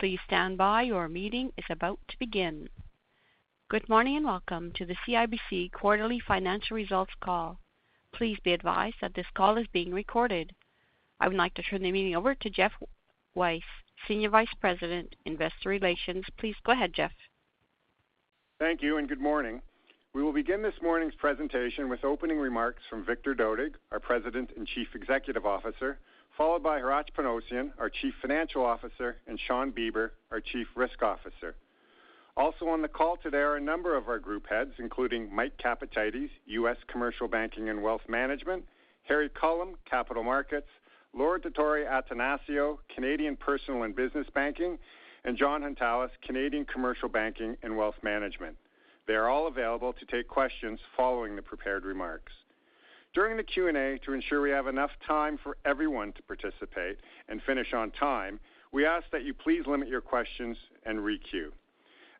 Good morning and welcome to the CIBC Quarterly Financial Results Call. Please be advised that this call is being recorded. I would like to turn the meeting over to Geoff Weiss, Senior Vice-President, Investor Relations. Please go ahead, Geoff. Thank you and good morning. We will begin this morning's presentation with opening remarks from Victor Dodig, our President and Chief Executive Officer, followed by Hratch Panossian, our Chief Financial Officer, and Shawn Beber, our Chief Risk Officer. Also on the call today are a number of our group heads, including Mike Capatides, U.S. Commercial Banking and Wealth Management, Harry Culham, Capital Markets, Laura Dottori-Attanasio, Canadian Personal and Business Banking, and Jon Hountalas, Canadian Commercial Banking and Wealth Management. They are all available to take questions following the prepared remarks. During the Q&A, to ensure we have enough time for everyone to participate and finish on time, we ask that you please limit your questions and re-queue.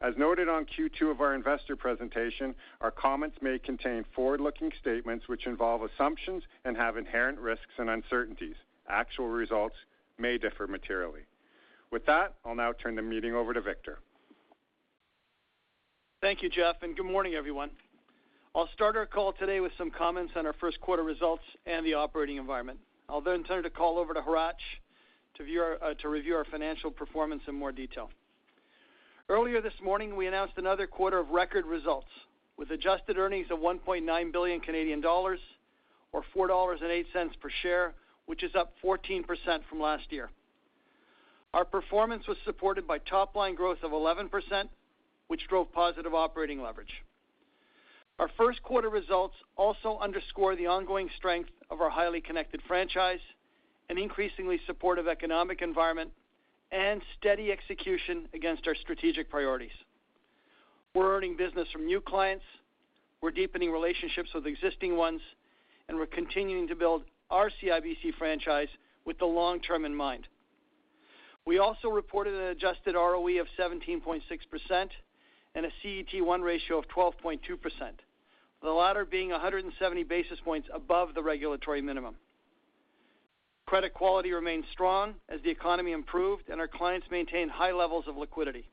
As noted on Q2 of our investor presentation, our comments may contain forward-looking statements which involve assumptions and have inherent risks and uncertainties. Actual results may differ materially. With that, I'll now turn the meeting over to Victor. Thank you, Geoff, and good morning, everyone. I'll start our call today with some comments on our first quarter results and the operating environment. I'll then turn the call over to Hratch to review our financial performance in more detail. Earlier this morning, we announced another quarter of record results, with adjusted earnings of 1.9 billion Canadian dollars or 4.08 dollars per share, which is up 14% from last year. Our performance was supported by top line growth of 11%, which drove positive operating leverage. Our first quarter results also underscore the ongoing strength of our highly connected franchise, an increasingly supportive economic environment, and steady execution against our strategic priorities. We're earning business from new clients, we're deepening relationships with existing ones, and we're continuing to build our CIBC franchise with the long-term in mind. We also reported an adjusted ROE of 17.6% and a CET1 ratio of 12.2%, the latter being 170 basis points above the regulatory minimum. Credit quality remains strong as the economy improved and our clients maintain high levels of liquidity.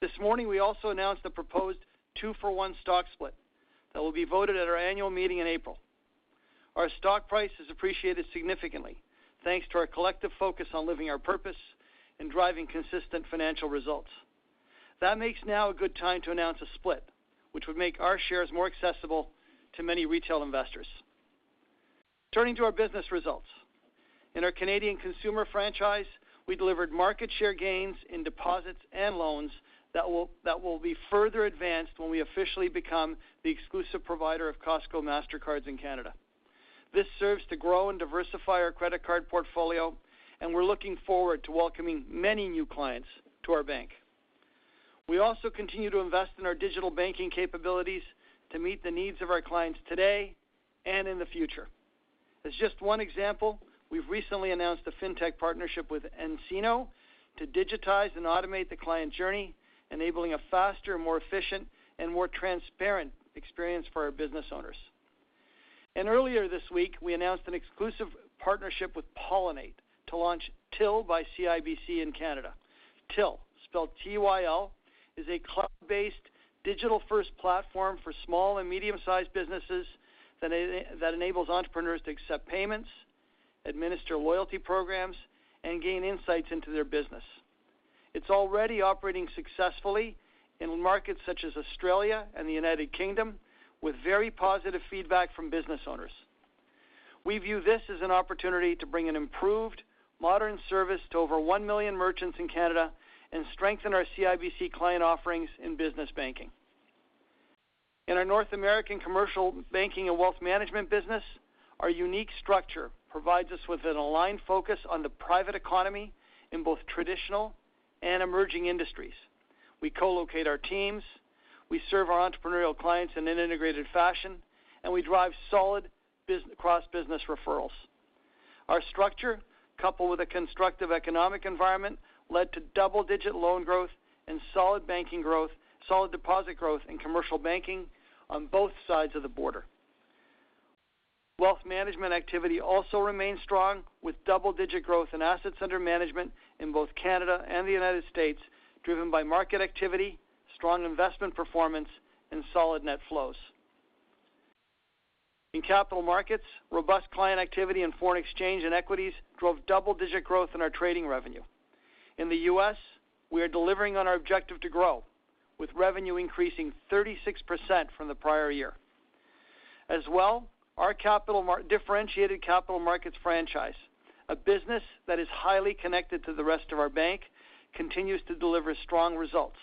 This morning, we also announced a proposed two-for-one stock split that will be voted at our annual meeting in April. Our stock price has appreciated significantly, thanks to our collective focus on living our purpose and driving consistent financial results. That makes now a good time to announce a split, which would make our shares more accessible to many retail investors. Turning to our business results. In our Canadian Consumer franchise, we delivered market share gains in deposits and loans that will be further advanced when we officially become the exclusive provider of Costco Mastercards in Canada. This serves to grow and diversify our credit card portfolio, and we're looking forward to welcoming many new clients to our bank. We also continue to invest in our digital banking capabilities to meet the needs of our clients today and in the future. As just one example, we've recently announced a fintech partnership with nCino to digitize and automate the client journey, enabling a faster, more efficient, and more transparent experience for our business owners. Earlier this week, we announced an exclusive partnership with Pollinate to launch Tyl by CIBC in Canada. Tyl, spelled T-Y-L, is a cloud-based digital-first platform for small and medium-sized businesses that enables entrepreneurs to accept payments, administer loyalty programs, and gain insights into their business. It's already operating successfully in markets such as Australia and the United Kingdom, with very positive feedback from business owners. We view this as an opportunity to bring an improved modern service to over 1 million merchants in Canada and strengthen our CIBC client offerings in business banking. In our North American Commercial Banking and Wealth Management business, our unique structure provides us with an aligned focus on the private economy in both traditional and emerging industries. We co-locate our teams, we serve our entrepreneurial clients in an integrated fashion, and we drive solid business cross business referrals. Our structure, coupled with a constructive economic environment, led to double-digit loan growth and solid banking growth, solid deposit growth in commercial banking on both sides of the border. Wealth management activity also remains strong, with double-digit growth in assets under management in both Canada and the United States, driven by market activity, strong investment performance, and solid net flows. In Capital Markets, robust client activity in foreign exchange and equities drove double-digit growth in our trading revenue. In the U.S., we are delivering on our objective to grow, with revenue increasing 36% from the prior year. As well, our differentiated Capital Markets franchise, a business that is highly connected to the rest of our bank, continues to deliver strong results.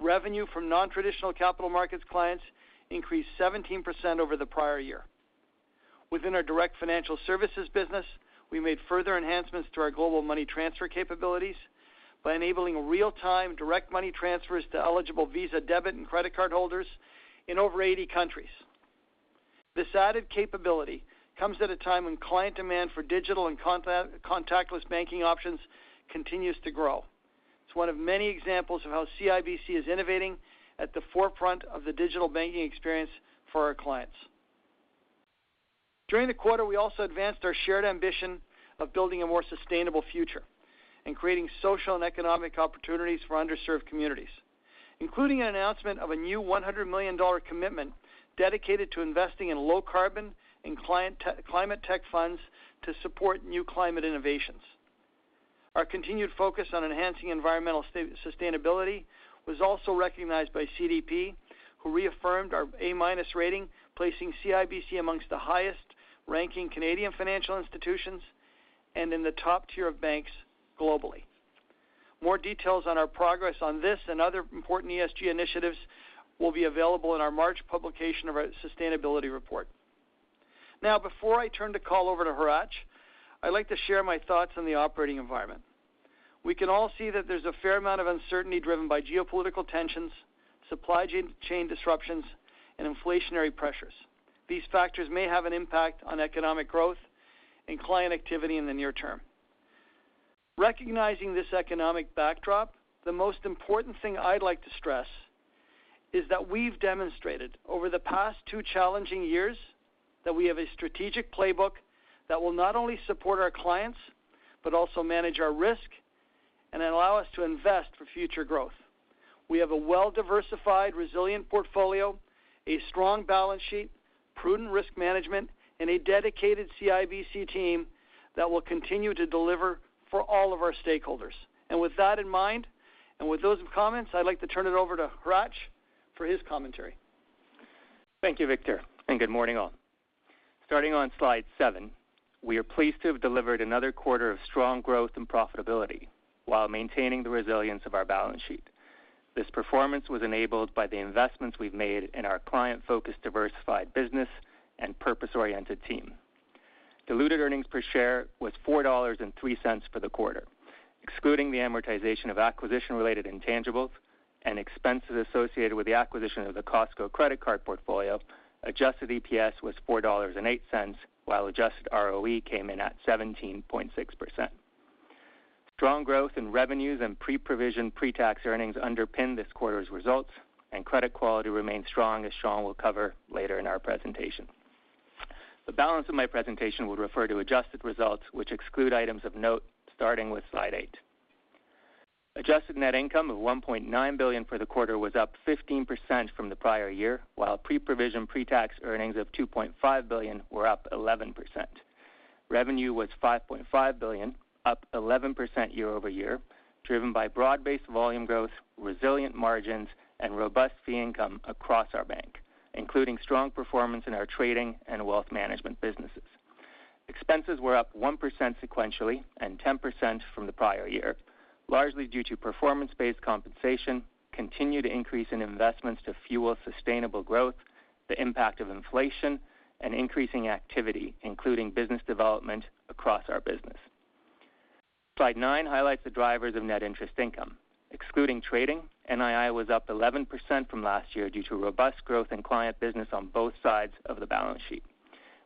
Revenue from non-traditional Capital Markets clients increased 17% over the prior year. Within our Direct Financial Services business, we made further enhancements to our global money transfer capabilities by enabling real-time direct money transfers to eligible Visa debit and credit card holders in over 80 countries. This added capability comes at a time when client demand for digital and contactless banking options continues to grow. It's one of many examples of how CIBC is innovating at the forefront of the digital banking experience for our clients. During the quarter, we also advanced our shared ambition of building a more sustainable future and creating social and economic opportunities for underserved communities, including an announcement of a new 100 million dollar commitment dedicated to investing in low-carbon and climate tech funds to support new climate innovations. Our continued focus on enhancing environmental sustainability was also recognized by CDP, who reaffirmed our A- rating, placing CIBC amongst the highest-ranking Canadian financial institutions and in the top tier of banks globally. More details on our progress on this and other important ESG initiatives will be available in our March publication of our sustainability report. Now, before I turn the call over to Hratch, I'd like to share my thoughts on the operating environment. We can all see that there's a fair amount of uncertainty driven by geopolitical tensions, supply chain disruptions, and inflationary pressures. These factors may have an impact on economic growth and client activity in the near term. Recognizing this economic backdrop, the most important thing I'd like to stress is that we've demonstrated over the past two challenging years that we have a strategic playbook that will not only support our clients, but also manage our risk and allow us to invest for future growth. We have a well-diversified, resilient portfolio, a strong balance sheet, prudent risk management, and a dedicated CIBC team that will continue to deliver for all of our stakeholders. With that in mind, and with those comments, I'd like to turn it over to Hratch for his commentary. Thank you, Victor, and good morning, all. Starting on slide seven, we are pleased to have delivered another quarter of strong growth and profitability while maintaining the resilience of our balance sheet. This performance was enabled by the investments we've made in our client-focused, diversified business and purpose-oriented team. Diluted earnings per share was 4.03 dollars for the quarter. Excluding the amortization of acquisition-related intangibles and expenses associated with the acquisition of the Costco credit card portfolio, adjusted EPS was 4.08 dollars, while adjusted ROE came in at 17.6%. Strong growth in revenues and pre-provision, pre-tax earnings underpinned this quarter's results, and credit quality remains strong, as Shawn will cover later in our presentation. The balance of my presentation will refer to adjusted results, which exclude items of note, starting with slide eight. Adjusted net income of 1.9 billion for the quarter was up 15% from the prior year, while pre-provision, pre-tax earnings of 2.5 billion were up 11%. Revenue was 5.5 billion, up 11% year-over-year, driven by broad-based volume growth, resilient margins, and robust fee income across our bank, including strong performance in our trading and wealth management businesses. Expenses were up 1% sequentially and 10% from the prior year, largely due to performance-based compensation, continued increase in investments to fuel sustainable growth, the impact of inflation, and increasing activity, including business development across our business. Slide nine highlights the drivers of net interest income. Excluding tradingtra`ding, NII was up 11% from last year due to robust growth in client business on both sides of the balance sheet.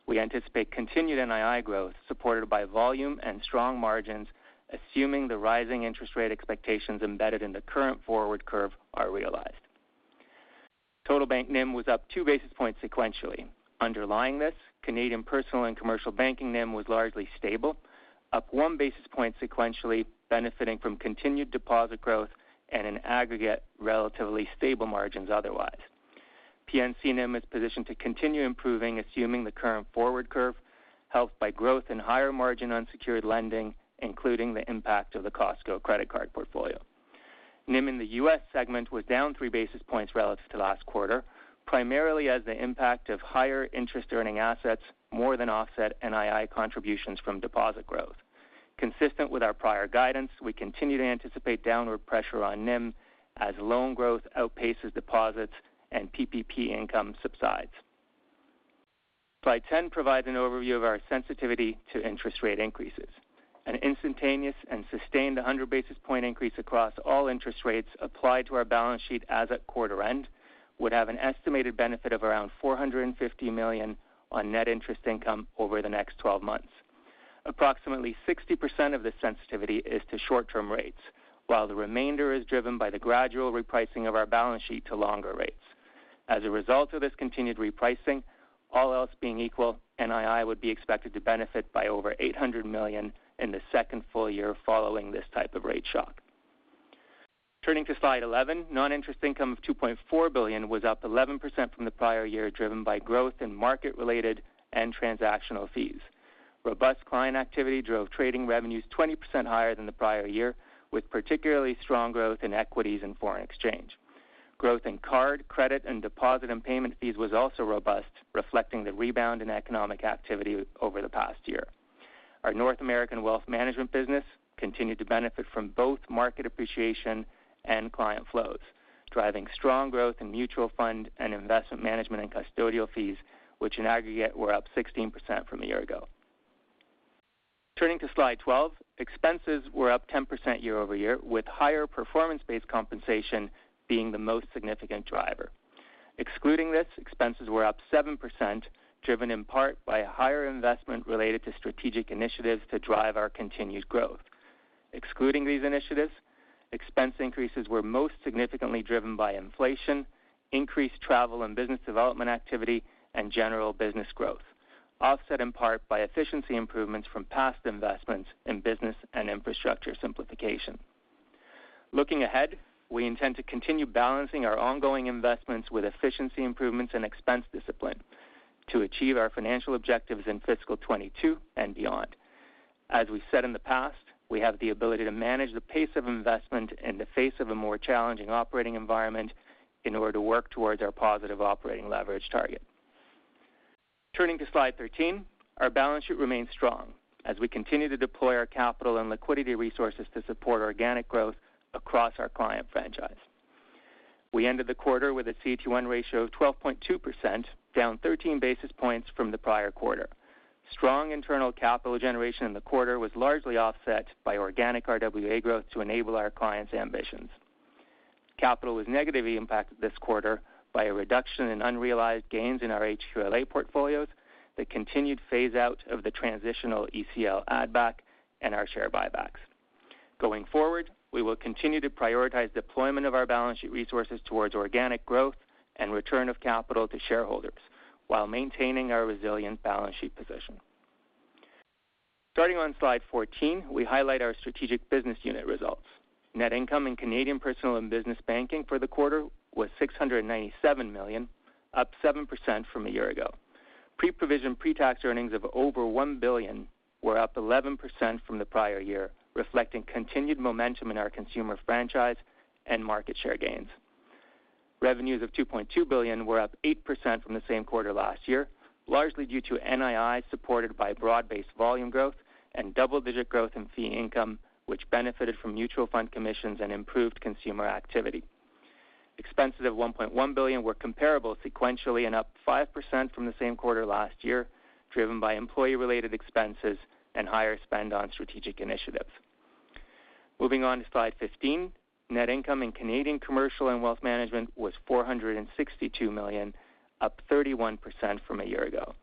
We anticipate continued NII growth supported by volume and strong margins, assuming the rising interest rate expectations embedded in the current forward curve are realized. Total bank NIM was up 2 basis points sequentially. Underlying this, Canadian Personal and Commercial Banking NIM was largely stable, up 1 basis point sequentially benefiting from continued deposit growth and in aggregate, relatively stable margins otherwise. P&C NIM is positioned to continue improving assuming the current forward curve, helped by growth in higher margin unsecured lending, including the impact of the Costco credit card portfolio. NIM in the U.S. segment was down 3 basis points relative to last quarter, primarily as the impact of higher interest earning assets more than offset NII contributions from deposit growth. Consistent with our prior guidance, we continue to anticipate downward pressure on NIM as loan growth outpaces deposits and PPP income subsides. Slide 10 provides an overview of our sensitivity to interest rate increases. An instantaneous and sustained 100 basis points increase across all interest rates applied to our balance sheet as at quarter end would have an estimated benefit of around 450 million on net interest income over the next 12 months. Approximately 60% of this sensitivity is to short-term rates, while the remainder is driven by the gradual repricing of our balance sheet to longer rates. As a result of this continued repricing, all else being equal, NII would be expected to benefit by over 800 million in the second full year following this type of rate shock. Turning to slide 11, non-interest income of 2.4 billion was up 11% from the prior year, driven by growth in market-related and transactional fees. Robust client activity drove trading revenues 20% higher than the prior year, with particularly strong growth in equities and foreign exchange. Growth in card, credit, and deposit and payment fees was also robust, reflecting the rebound in economic activity over the past year. Our North American Wealth Management business continued to benefit from both market appreciation and client flows, driving strong growth in mutual fund and investment management and custodial fees, which in aggregate were up 16% from a year ago. Turning to slide 12, expenses were up 10% year-over-year, with higher performance-based compensation being the most significant driver. Excluding this, expenses were up 7%, driven in part by a higher investment related to strategic initiatives to drive our continued growth. Excluding these initiatives, expense increases were most significantly driven by inflation, increased travel and business development activity, and general business growth, offset in part by efficiency improvements from past investments in business and infrastructure simplification. Looking ahead, we intend to continue balancing our ongoing investments with efficiency improvements and expense discipline to achieve our financial objectives in fiscal 2022 and beyond. As we've said in the past, we have the ability to manage the pace of investment in the face of a more challenging operating environment in order to work towards our positive operating leverage target. Turning to slide 13, our balance sheet remains strong as we continue to deploy our capital and liquidity resources to support organic growth across our client franchise. We ended the quarter with a CET1 ratio of 12.2%, down 13 basis points from the prior quarter. Strong internal capital generation in the quarter was largely offset by organic RWA growth to enable our clients' ambitions. Capital was negatively impacted this quarter by a reduction in unrealized gains in our HQLA portfolios that continued phase out of the transitional ECL add back and our share buybacks. Going forward, we will continue to prioritize deployment of our balance sheet resources towards organic growth and return of capital to shareholders while maintaining our resilient balance sheet position. Starting on slide 14, we highlight our strategic business unit results. Net income in Canadian Personal and Business Banking for the quarter was 697 million, up 7% from a year ago. Pre-provision, pre-tax earnings of over 1 billion were up 11% from the prior year, reflecting continued momentum in our consumer franchise and market share gains. Revenues of 2.2 billion were up 8% from the same quarter last year, largely due to NII supported by broad-based volume growth and double-digit growth in fee income, which benefited from mutual fund commissions and improved consumer activity. Expenses of 1.1 billion were comparable sequentially and up 5% from the same quarter last year, driven by employee-related expenses and higher spend on strategic initiatives. Moving on to slide 15, net income in Canadian Commercial Banking and Wealth Management was 462 million, up 31% from a year ago.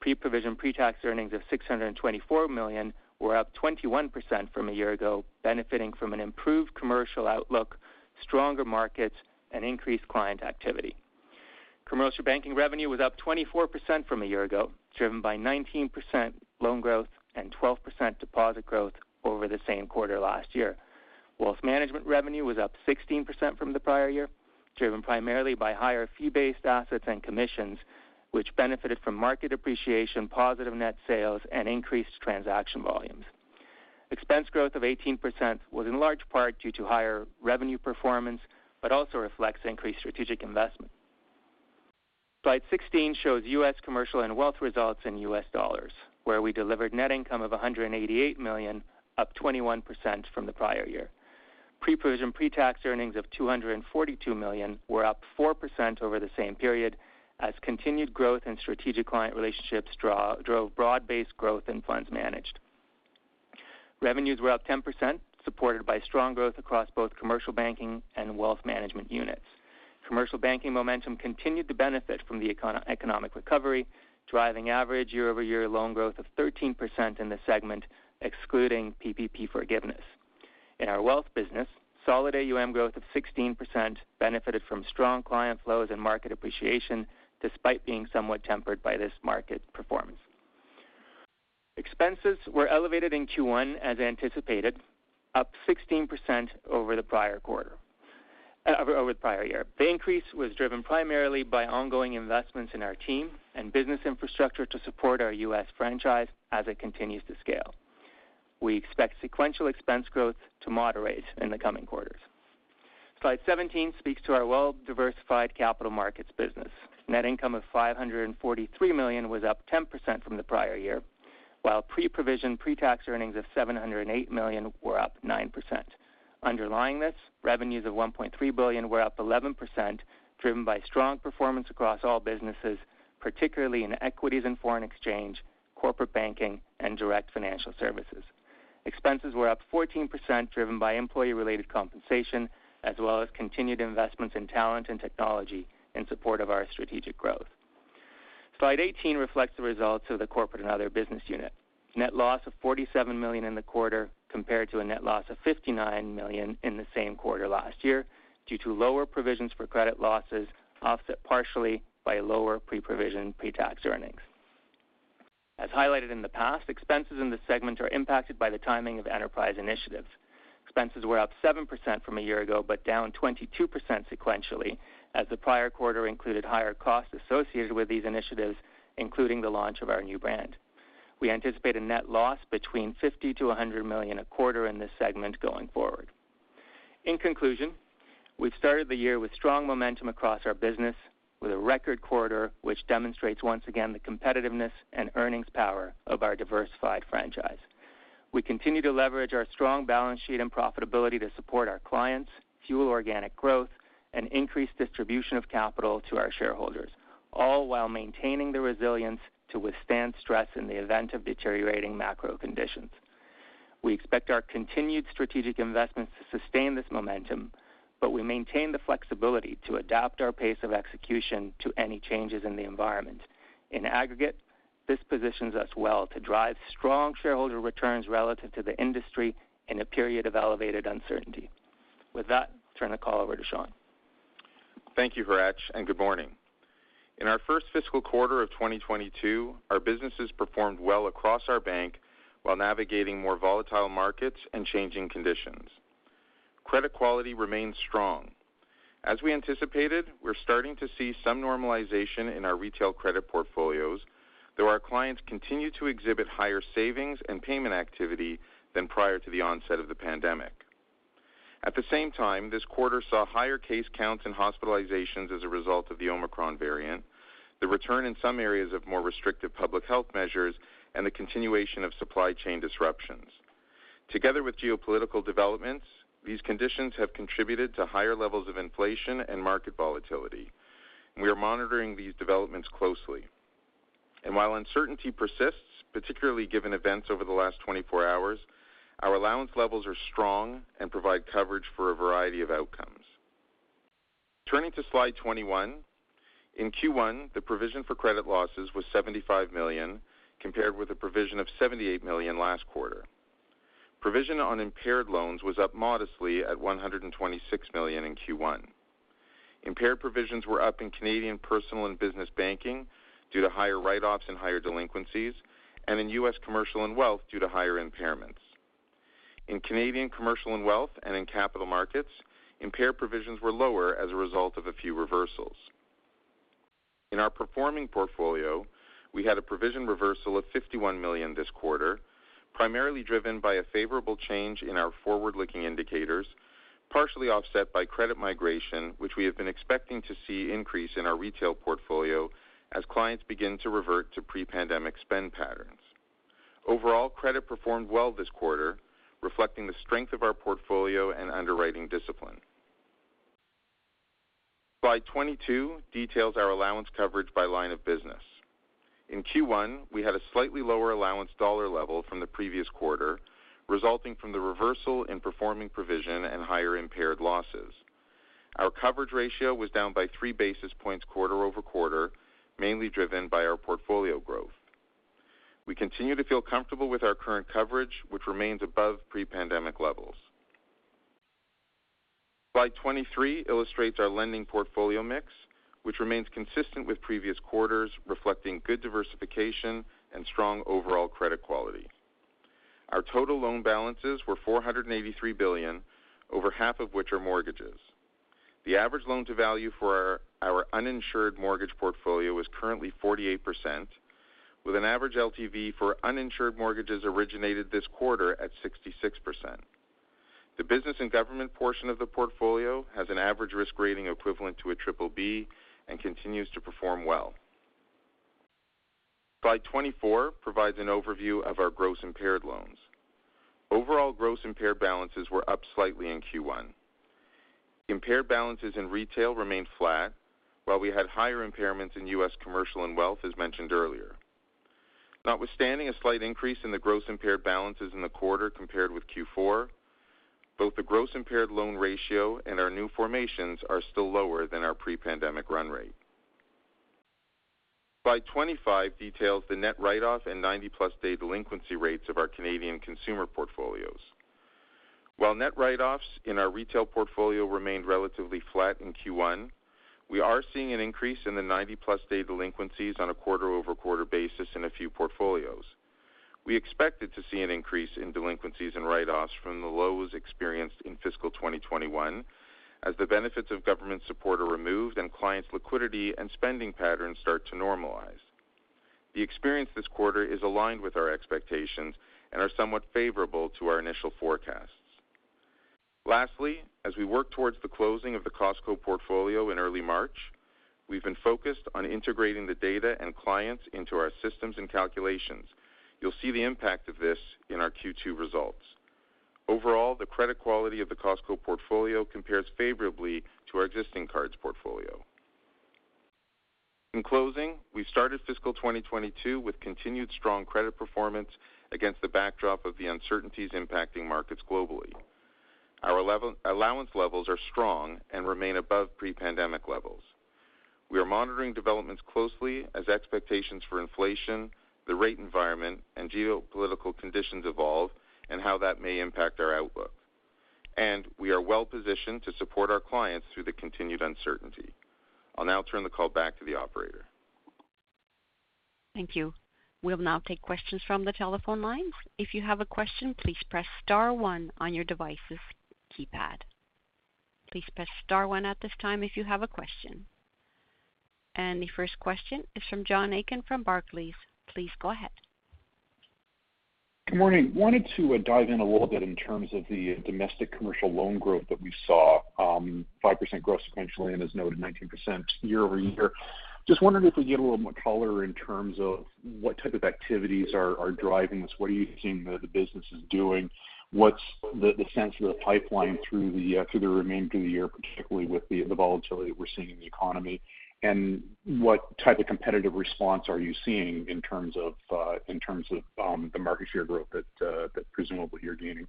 Pre-provision, pre-tax earnings of 624 million were up 21% from a year ago, benefiting from an improved commercial outlook, stronger markets, and increased client activity. Commercial banking revenue was up 24% from a year ago, driven by 19% loan growth and 12% deposit growth over the same quarter last year. Wealth management revenue was up 16% from the prior year, driven primarily by higher fee-based assets and commissions, which benefited from market appreciation, positive net sales, and increased transaction volumes. Expense growth of 18% was in large part due to higher revenue performance, but also reflects increased strategic investment. Slide 16 shows U.S. Commercial and Wealth results in U.S. dollars, where we delivered net income of $188 million, up 21% from the prior year. Pre-provision, pre-tax earnings of $242 million were up 4% over the same period as continued growth in strategic client relationships drove broad-based growth in funds managed. Revenues were up 10%, supported by strong growth across both Commercial Banking and Wealth Management units. Commercial Banking momentum continued to benefit from the economic recovery, driving average year-over-year loan growth of 13% in this segment, excluding PPP forgiveness. In our wealth business, solid AUM growth of 16% benefited from strong client flows and market appreciation, despite being somewhat tempered by this market performance. Expenses were elevated in Q1 as anticipated, up 16% over the prior year. The increase was driven primarily by ongoing investments in our team and business infrastructure to support our U.S. franchise as it continues to scale. We expect sequential expense growth to moderate in the coming quarters. Slide 17 speaks to our well-diversified Capital Markets business. Net income of 543 million was up 10% from the prior year, while pre-provision, pre-tax earnings of 708 million were up 9%. Underlying this, revenues of 1.3 billion were up 11%, driven by strong performance across all businesses, particularly in equities and foreign exchange, corporate banking, and direct financial services. Expenses were up 14%, driven by employee-related compensation, as well as continued investments in talent and technology in support of our strategic growth. Slide 18 reflects the results of the Corporate and Other business unit. Net loss of 47 million in the quarter compared to a net loss of 59 million in the same quarter last year due to lower provisions for credit losses, offset partially by lower pre-provision, pre-tax earnings. As highlighted in the past, expenses in this segment are impacted by the timing of enterprise initiatives. Expenses were up 7% from a year ago, but down 22% sequentially, as the prior quarter included higher costs associated with these initiatives, including the launch of our new brand. We anticipate a net loss between 50 million-100 million a quarter in this segment going forward. In conclusion, we've started the year with strong momentum across our business with a record quarter, which demonstrates once again the competitiveness and earnings power of our diversified franchise. We continue to leverage our strong balance sheet and profitability to support our clients, fuel organic growth, and increase distribution of capital to our shareholders, all while maintaining the resilience to withstand stress in the event of deteriorating macro conditions. We expect our continued strategic investments to sustain this momentum. We maintain the flexibility to adapt our pace of execution to any changes in the environment. In aggregate, this positions us well to drive strong shareholder returns relative to the industry in a period of elevated uncertainty. With that, turn the call over to Shawn. Thank you, Hratch, and good morning. In our first fiscal quarter of 2022, our businesses performed well across our bank while navigating more volatile markets and changing conditions. Credit quality remains strong. As we anticipated, we're starting to see some normalization in our retail credit portfolios, though our clients continue to exhibit higher savings and payment activity than prior to the onset of the pandemic. At the same time, this quarter saw higher case counts and hospitalizations as a result of the Omicron variant, the return in some areas of more restrictive public health measures, and the continuation of supply chain disruptions. Together with geopolitical developments, these conditions have contributed to higher levels of inflation and market volatility. We are monitoring these developments closely. While uncertainty persists, particularly given events over the last 24 hours, our allowance levels are strong and provide coverage for a variety of outcomes. Turning to slide 21. In Q1, the provision for credit losses was 75 million, compared with a provision of 78 million last quarter. Provision on impaired loans was up modestly at 126 million in Q1. Impaired provisions were up in Canadian Personal and Business Banking due to higher write-offs and higher delinquencies, and in U.S. Commercial Banking and Wealth Management due to higher impairments. In Canadian Commercial Banking and Wealth Management and in Capital Markets, impaired provisions were lower as a result of a few reversals. In our performing portfolio, we had a provision reversal of 51 million this quarter, primarily driven by a favorable change in our forward-looking indicators, partially offset by credit migration, which we have been expecting to see increase in our retail portfolio as clients begin to revert to pre-pandemic spend patterns. Overall, credit performed well this quarter, reflecting the strength of our portfolio and underwriting discipline. Slide 22 details our allowance coverage by line of business. In Q1, we had a slightly lower allowance dollar level from the previous quarter, resulting from the reversal in performing provision and higher impaired losses. Our coverage ratio was down by three basis points quarter-over-quarter, mainly driven by our portfolio growth. We continue to feel comfortable with our current coverage, which remains above pre-pandemic levels. Slide 23 illustrates our lending portfolio mix, which remains consistent with previous quarters, reflecting good diversification and strong overall credit quality. Our total loan balances were 483 billion, over half of which are mortgages. The average loan to value for our uninsured mortgage portfolio is currently 48%, with an average LTV for uninsured mortgages originated this quarter at 66%. The business and government portion of the portfolio has an average risk rating equivalent to BBB and continues to perform well. Slide 24 provides an overview of our gross impaired loans. Overall gross impaired balances were up slightly in Q1. Impaired balances in retail remained flat, while we had higher impairments in U.S. commercial and wealth, as mentioned earlier. Notwithstanding a slight increase in the gross impaired balances in the quarter compared with Q4, both the gross impaired loan ratio and our new formations are still lower than our pre-pandemic run rate. Slide 25 details the net write-off and 90+ day delinquency rates of our Canadian Consumer portfolios. While net write-offs in our retail portfolio remained relatively flat in Q1, we are seeing an increase in the 90+ day delinquencies on a quarter-over-quarter basis in a few portfolios. We expected to see an increase in delinquencies and write-offs from the lows experienced in fiscal 2021 as the benefits of government support are removed and clients' liquidity and spending patterns start to normalize. The experience this quarter is aligned with our expectations and are somewhat favorable to our initial forecasts. Lastly, as we work towards the closing of the Costco portfolio in early March, we've been focused on integrating the data and clients into our systems and calculations. You'll see the impact of this in our Q2 results. Overall, the credit quality of the Costco portfolio compares favorably to our existing cards portfolio. In closing, we started fiscal 2022 with continued strong credit performance against the backdrop of the uncertainties impacting markets globally. Our allowance levels are strong and remain above pre-pandemic levels. We are monitoring developments closely as expectations for inflation, the rate environment, and geopolitical conditions evolve and how that may impact our outlook. We are well positioned to support our clients through the continued uncertainty. I'll now turn the call back to the operator. Thank you. We'll now take questions from the telephone lines. If you have a question, please press star one on your device's keypad. Please press star one at this time if you have a question. The first question is from John Aiken from Barclays. Please go ahead. Good morning. I wanted to dive in a little bit in terms of the domestic commercial loan growth that we saw, 5% growth sequentially and as noted 19% year-over-year. Just wondering if we get a little more color in terms of what type of activities are driving this. What are you seeing the businesses doing? What's the sense of the pipeline through the remainder of the year, particularly with the volatility that we're seeing in the economy? And what type of competitive response are you seeing in terms of the market share growth that presumably you're gaining?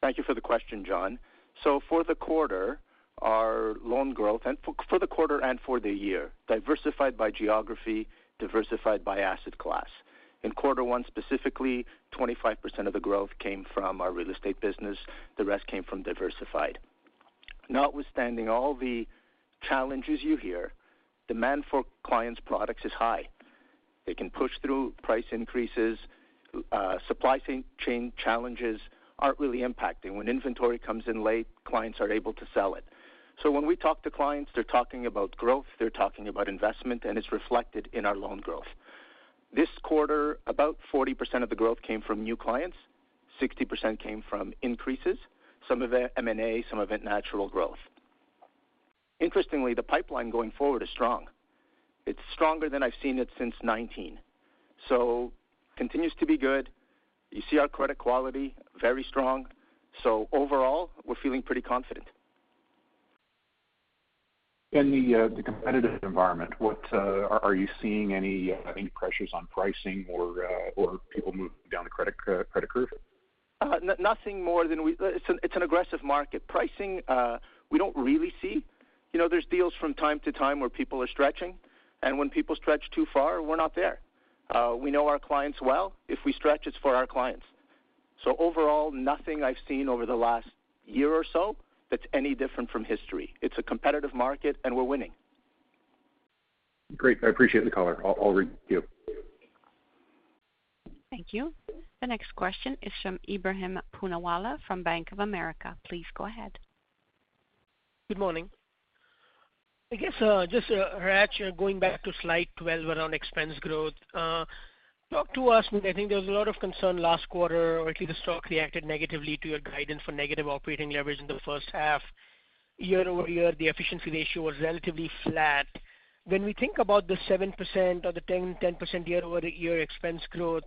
Thank you for the question, John. For the quarter, our loan growth for the quarter and for the year, diversified by geography, diversified by asset class. In quarter one, specifically, 25% of the growth came from our real estate business. The rest came from diversified. Notwithstanding all the challenges you hear, demand for clients products is high. They can push through price increases. Supply chain challenges aren't really impacting. When inventory comes in late, clients are able to sell it. When we talk to clients, they're talking about growth, they're talking about investment, and it's reflected in our loan growth. This quarter, about 40% of the growth came from new clients, 60% came from increases, some of it M&A, some of it natural growth. Interestingly, the pipeline going forward is strong. It's stronger than I've seen it since nineteen. continues to be good. You see our credit quality, very strong. Overall, we're feeling pretty confident. In the competitive environment, are you seeing any pressures on pricing or people moving down the credit curve? It's an aggressive market. Pricing, we don't really see. You know, there's deals from time to time where people are stretching, and when people stretch too far, we're not there. We know our clients well. If we stretch, it's for our clients. Overall, nothing I've seen over the last year or so that's any different from history. It's a competitive market, and we're winning. Great. I appreciate the color. I'll read you. Thank you. The next question is from Ebrahim Poonawala from Bank of America. Please go ahead. Good morning. I guess, just, Hratch, going back to slide 12 around expense growth. Talk to us. I think there was a lot of concern last quarter, or at least the stock reacted negatively to your guidance for negative operating leverage in the first half. Year-over-year, the efficiency ratio was relatively flat. When we think about the 7% or the 10% year-over-year expense growth,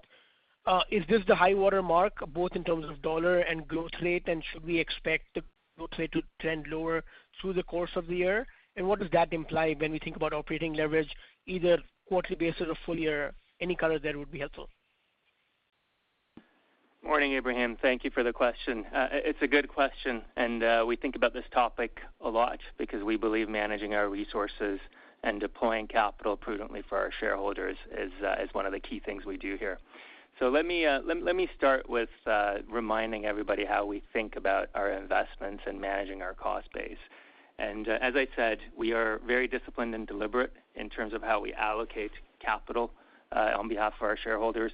is this the high watermark, both in terms of dollar and growth rate? And should we expect the growth rate to trend lower through the course of the year? And what does that imply when we think about operating leverage, either quarterly basis or full year? Any color there would be helpful. Morning, Ebrahim. Thank you for the question. It's a good question. We think about this topic a lot because we believe managing our resources and deploying capital prudently for our shareholders is one of the key things we do here. Let me start with reminding everybody how we think about our investments and managing our cost base. As I said, we are very disciplined and deliberate in terms of how we allocate capital on behalf of our shareholders.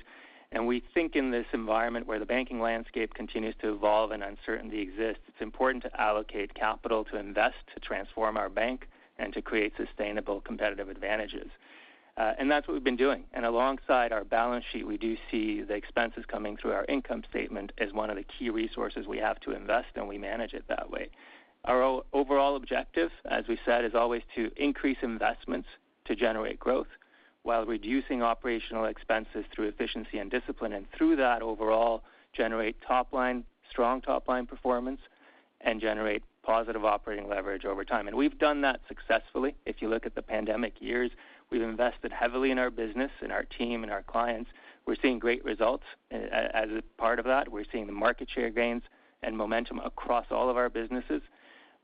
We think in this environment where the banking landscape continues to evolve and uncertainty exists, it's important to allocate capital to invest, to transform our bank, and to create sustainable competitive advantages. That's what we've been doing. Alongside our balance sheet, we do see the expenses coming through our income statement as one of the key resources we have to invest, and we manage it that way. Our overall objective, as we said, is always to increase investments to generate growth while reducing operational expenses through efficiency and discipline, and through that overall, generate top line, strong top line performance and generate positive operating leverage over time. We've done that successfully. If you look at the pandemic years, we've invested heavily in our business and our team and our clients. We're seeing great results as a part of that. We're seeing the market share gains and momentum across all of our businesses.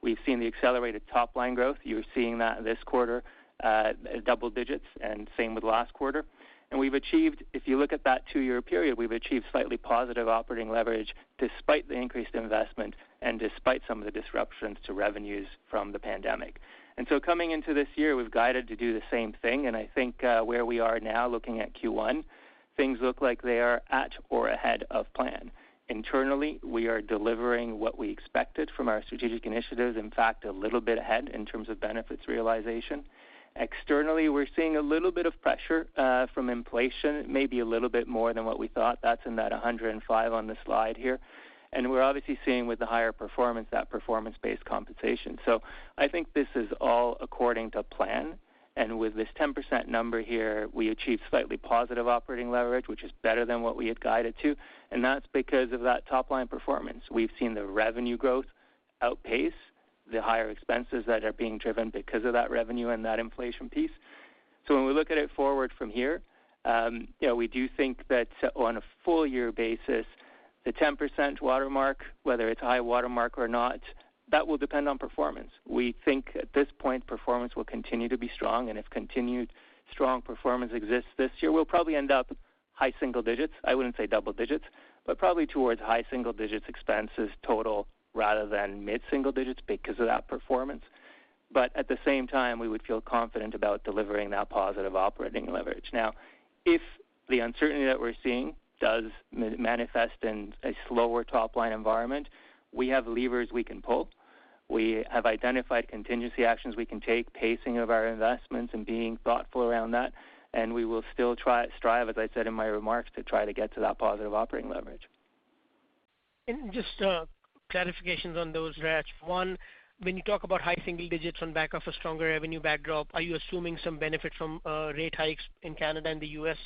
We've seen the accelerated top line growth. You're seeing that this quarter, double digits, and same with last quarter. We've achieved. If you look at that two-year period, we've achieved slightly positive operating leverage despite the increased investment and despite some of the disruptions to revenues from the pandemic. Coming into this year, we've guided to do the same thing. I think, where we are now looking at Q1, things look like they are at or ahead of plan. Internally, we are delivering what we expected from our strategic initiatives. In fact, a little bit ahead in terms of benefits realization. Externally, we're seeing a little bit of pressure from inflation, maybe a little bit more than what we thought. That's in that 105 on the slide here. We're obviously seeing with the higher performance, that performance-based compensation. I think this is all according to plan. With this 10% number here, we achieved slightly positive operating leverage, which is better than what we had guided to. That's because of that top line performance. We've seen the revenue growth outpace the higher expenses that are being driven because of that revenue and that inflation piece. When we look at it forward from here, you know, we do think that on a full year basis, the 10% watermark, whether it's high watermark or not, that will depend on performance. We think at this point, performance will continue to be strong. If continued strong performance exists this year, we'll probably end up high single digits. I wouldn't say double digits, but probably towards high single digits expenses total rather than mid-single digits because of that performance. At the same time, we would feel confident about delivering that positive operating leverage. Now, if the uncertainty that we're seeing does manifest in a slower top line environment, we have levers we can pull. We have identified contingency actions we can take, pacing of our investments and being thoughtful around that. We will still strive, as I said in my remarks, to try to get to that positive operating leverage. Just clarifications on those, Hratch. One, when you talk about high single digits on back of a stronger revenue backdrop, are you assuming some benefit from rate hikes in Canada and the U.S.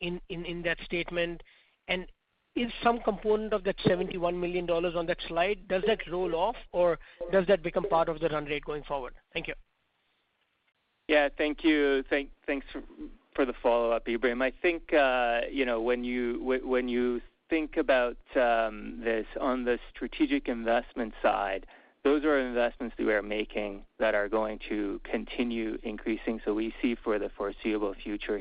in that statement? Is some component of that 71 million dollars on that slide, does that roll off or does that become part of the run rate going forward? Thank you. Yeah. Thanks for the follow-up, Ebrahim. I think, you know, when you think about this on the strategic investment side, those are investments that we are making that are going to continue increasing. We see for the foreseeable future,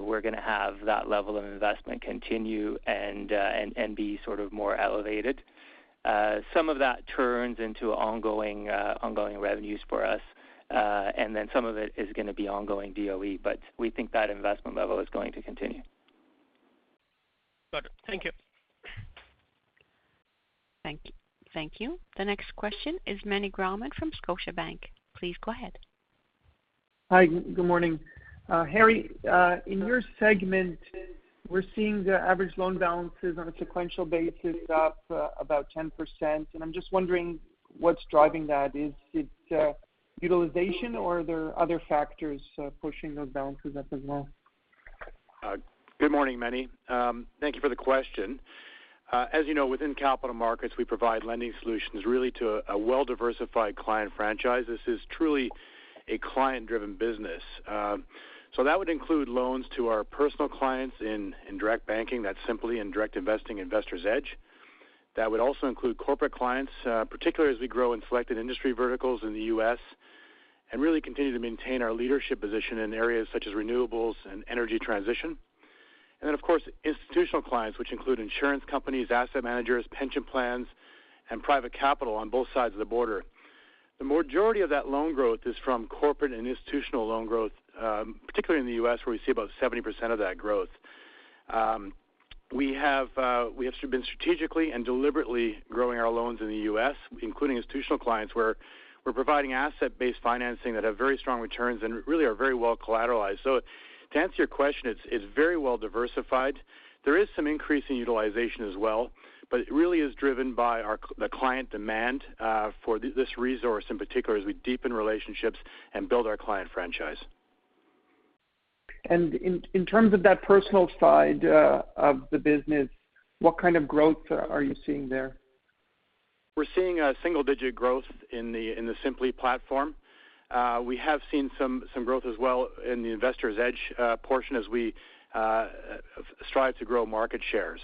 we're gonna have that level of investment continue and be sort of more elevated. Some of that turns into ongoing revenues for us, and then some of it is gonna be ongoing OpEx, but we think that investment level is going to continue. Got it. Thank you. Thank you. The next question is Meny Grauman from Scotiabank. Please go ahead. Hi, good morning. Harry, in your segment, we're seeing the average loan balances on a sequential basis up about 10%. I'm just wondering what's driving that. Is it utilization or are there other factors pushing those balances up as well? Good morning, Meny. Thank you for the question. As you know, within Capital Markets, we provide lending solutions really to a well-diversified client franchise. This is truly a client-driven business. That would include loans to our personal clients in direct banking, that's Simplii and Direct Investing, Investor's Edge. That would also include corporate clients, particularly as we grow in selected industry verticals in the U.S., and really continue to maintain our leadership position in areas such as renewables and energy transition. Of course, institutional clients, which include insurance companies, asset managers, pension plans, and private capital on both sides of the border. The majority of that loan growth is from corporate and institutional loan growth, particularly in the U.S., where we see about 70% of that growth. We have been strategically and deliberately growing our loans in the U.S., including institutional clients, where we're providing asset-based financing that have very strong returns and really are very well collateralized. To answer your question, it's very well diversified. There is some increase in utilization as well, but it really is driven by the client demand for this resource, in particular, as we deepen relationships and build our client franchise. In terms of that personal side of the business, what kind of growth are you seeing there? We're seeing single-digit growth in the Simplii platform. We have seen some growth as well in the Investor's Edge portion as we strive to grow market share.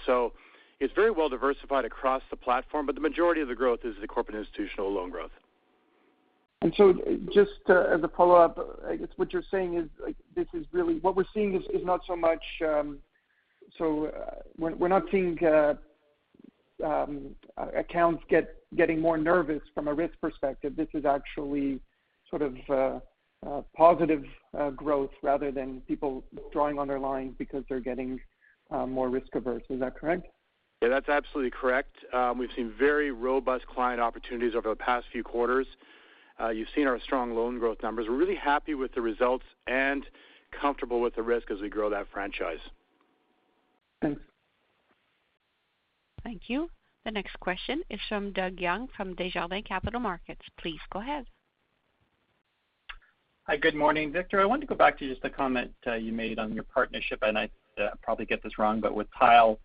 It's very well diversified across the platform, but the majority of the growth is the corporate institutional loan growth. Just as a follow-up, I guess what you're saying is like this is really what we're seeing is not so much. We're not seeing accounts getting more nervous from a risk perspective. This is actually sort of positive growth rather than people drawing on their lines because they're getting more risk-averse. Is that correct? Yeah, that's absolutely correct. We've seen very robust client opportunities over the past few quarters. You've seen our strong loan growth numbers. We're really happy with the results and comfortable with the risk as we grow that franchise. Thanks. Thank you. The next question is from Doug Young from Desjardins Capital Markets. Please go ahead. Hi, good morning. Victor, I want to go back to just a comment you made on your partnership, and I probably get this wrong, but with Tyl,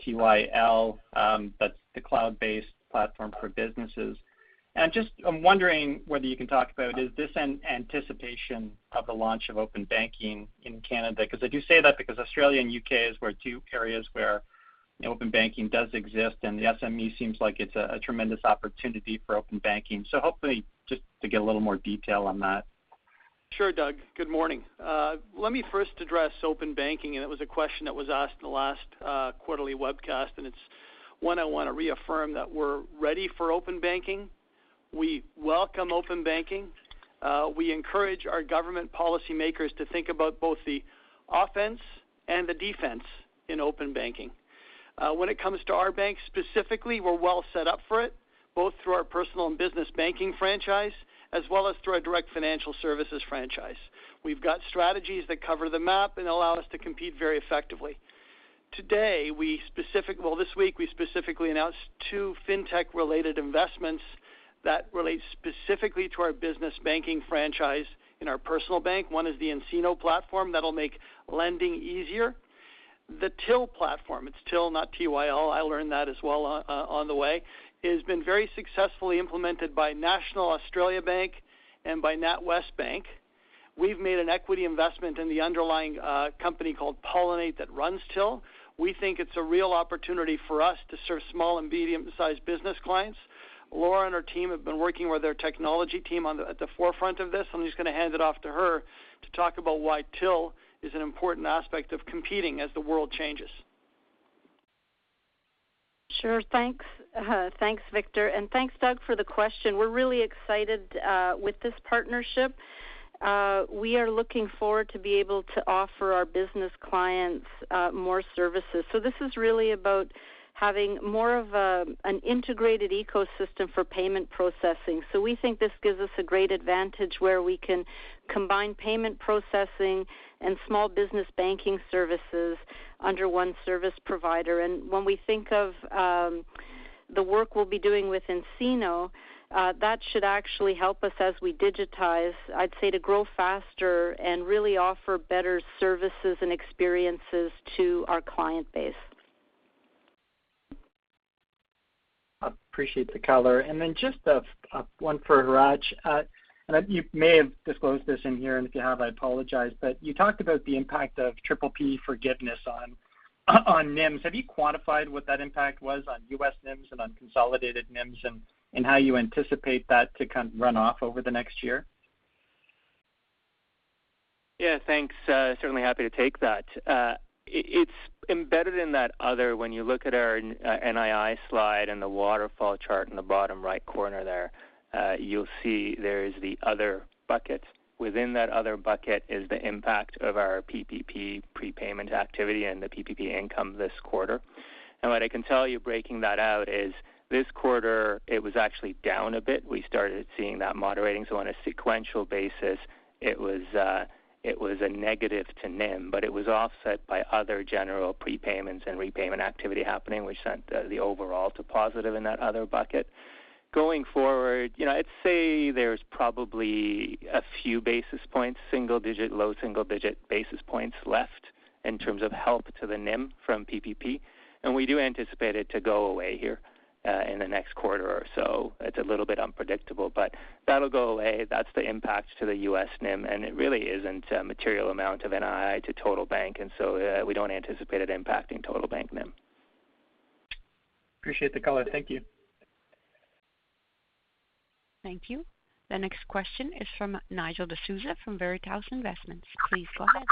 T-Y-L, that's the cloud-based platform for businesses. I'm wondering whether you can talk about is this an anticipation of the launch of open banking in Canada, 'cause I do say that because Australia and U.K. is where two areas where open banking does exist, and the SME seems like it's a tremendous opportunity for open banking. Hopefully, just to get a little more detail on that. Sure. Doug, good morning. Let me first address open banking, and it was a question that was asked in the last quarterly webcast, and it's one I want to reaffirm that we're ready for open banking. We welcome open banking. We encourage our government policymakers to think about both the offense and the defense in open banking. When it comes to our bank, specifically, we're well set up for it, both through our personal and business banking franchise, as well as through our Direct Financial Services franchise. We've got strategies that cover the map and allow us to compete very effectively. Today, well, this week we specifically announced two fintech-related investments that relate specifically to our business banking franchise in our personal bank. One is the nCino platform that'll make lending easier. The Tyl platform, it's Tyl, not T-Y-L, I learned that as well on the way, has been very successfully implemented by National Australia Bank and by NatWest Bank. We've made an equity investment in the underlying company called Pollinate that runs Tyl. We think it's a real opportunity for us to serve small and medium-sized business clients. Laura and her team have been working with their technology team at the forefront of this. I'm just going to hand it off to her to talk about why Tyl is an important aspect of competing as the world changes. Sure. Thanks. Thanks, Victor. Thanks, Doug, for the question. We're really excited with this partnership. We are looking forward to be able to offer our business clients more services. This is really about having more of an integrated ecosystem for payment processing. We think this gives us a great advantage where we can combine payment processing and small business banking services under one service provider. When we think of the work we'll be doing with nCino, that should actually help us as we digitize, I'd say, to grow faster and really offer better services and experiences to our client base. appreciate the color. Just one for Hratch. You may have disclosed this in here, and if you have, I apologize, but you talked about the impact of PPP forgiveness on NIMs. Have you quantified what that impact was on U.S. NIMs and unconsolidated NIMs and how you anticipate that to kind of run off over the next year? Yeah, thanks. Certainly happy to take that. It's embedded in that other when you look at our NII slide and the waterfall chart in the bottom right corner there. You'll see there is the other bucket. Within that other bucket is the impact of our PPP prepayment activity and the PPP income this quarter. What I can tell you breaking that out is this quarter it was actually down a bit. We started seeing that moderating. On a sequential basis, it was a negative to NIM, but it was offset by other general prepayments and repayment activity happening, which sent the overall to positive in that other bucket. Going forward, you know, I'd say there's probably a few basis points, single digit, low single digit basis points left in terms of help to the NIM from PPP. We do anticipate it to go away here in the next quarter or so. It's a little bit unpredictable, but that'll go away. That's the impact to the U.S. NIM, and it really isn't a material amount of NII to total bank. We don't anticipate it impacting total bank NIM. Appreciate the color. Thank you. Thank you. The next question is from Nigel D'Souza from Veritas Investment Research. Please go ahead.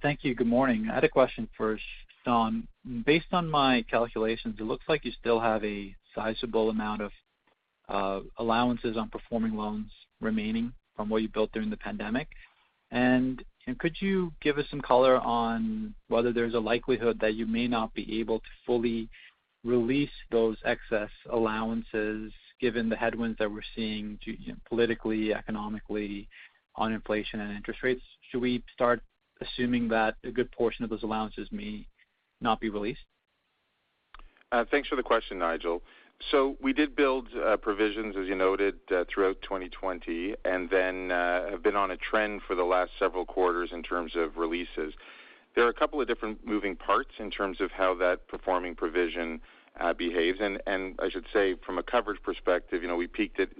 Thank you. Good morning. I had a question for Shawn. Based on my calculations, it looks like you still have a sizable amount of allowances on performing loans remaining from what you built during the pandemic. Could you give us some color on whether there's a likelihood that you may not be able to fully release those excess allowances given the headwinds that we're seeing politically, economically on inflation and interest rates? Should we start assuming that a good portion of those allowances may not be released? Thanks for the question, Nigel. We did build provisions, as you noted, throughout 2020, and then have been on a trend for the last several quarters in terms of releases. There are a couple of different moving parts in terms of how that performing provision behaves. And I should say from a coverage perspective, you know, we peaked at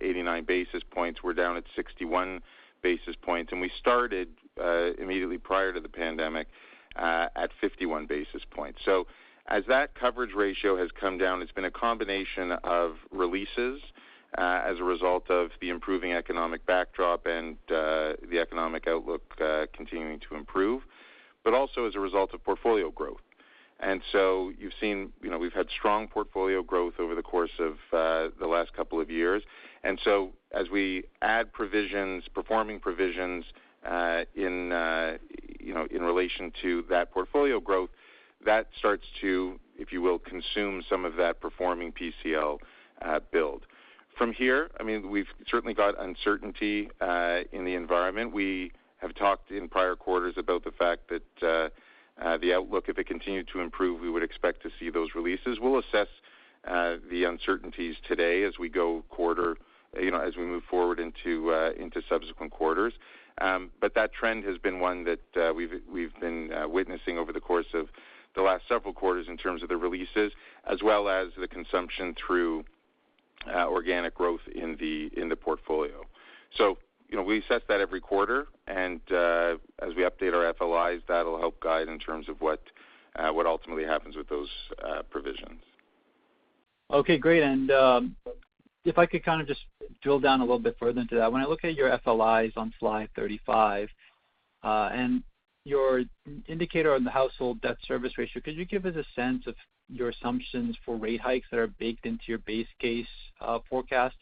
89 basis points. We're down at 61 basis points, and we started immediately prior to the pandemic at 51 basis points. As that coverage ratio has come down, it's been a combination of releases as a result of the improving economic backdrop and the economic outlook continuing to improve, but also as a result of portfolio growth. You've seen, you know, we've had strong portfolio growth over the course of the last couple of years. As we add provisions, performing provisions, in you know, in relation to that portfolio growth, that starts to, if you will, consume some of that performing PCL build. From here, I mean, we've certainly got uncertainty in the environment. We have talked in prior quarters about the fact that the outlook, if it continued to improve, we would expect to see those releases. We'll assess the uncertainties today as we go quarter, you know, as we move forward into subsequent quarters. That trend has been one that we've been witnessing over the course of the last several quarters in terms of the releases as well as the consumption through organic growth in the portfolio. You know, we assess that every quarter, and as we update our FLIs, that'll help guide in terms of what ultimately happens with those provisions. Okay, great. If I could kind of just drill down a little bit further into that. When I look at your FLIs on slide 35, and your indicator on the household debt service ratio, could you give us a sense of your assumptions for rate hikes that are baked into your base case forecast?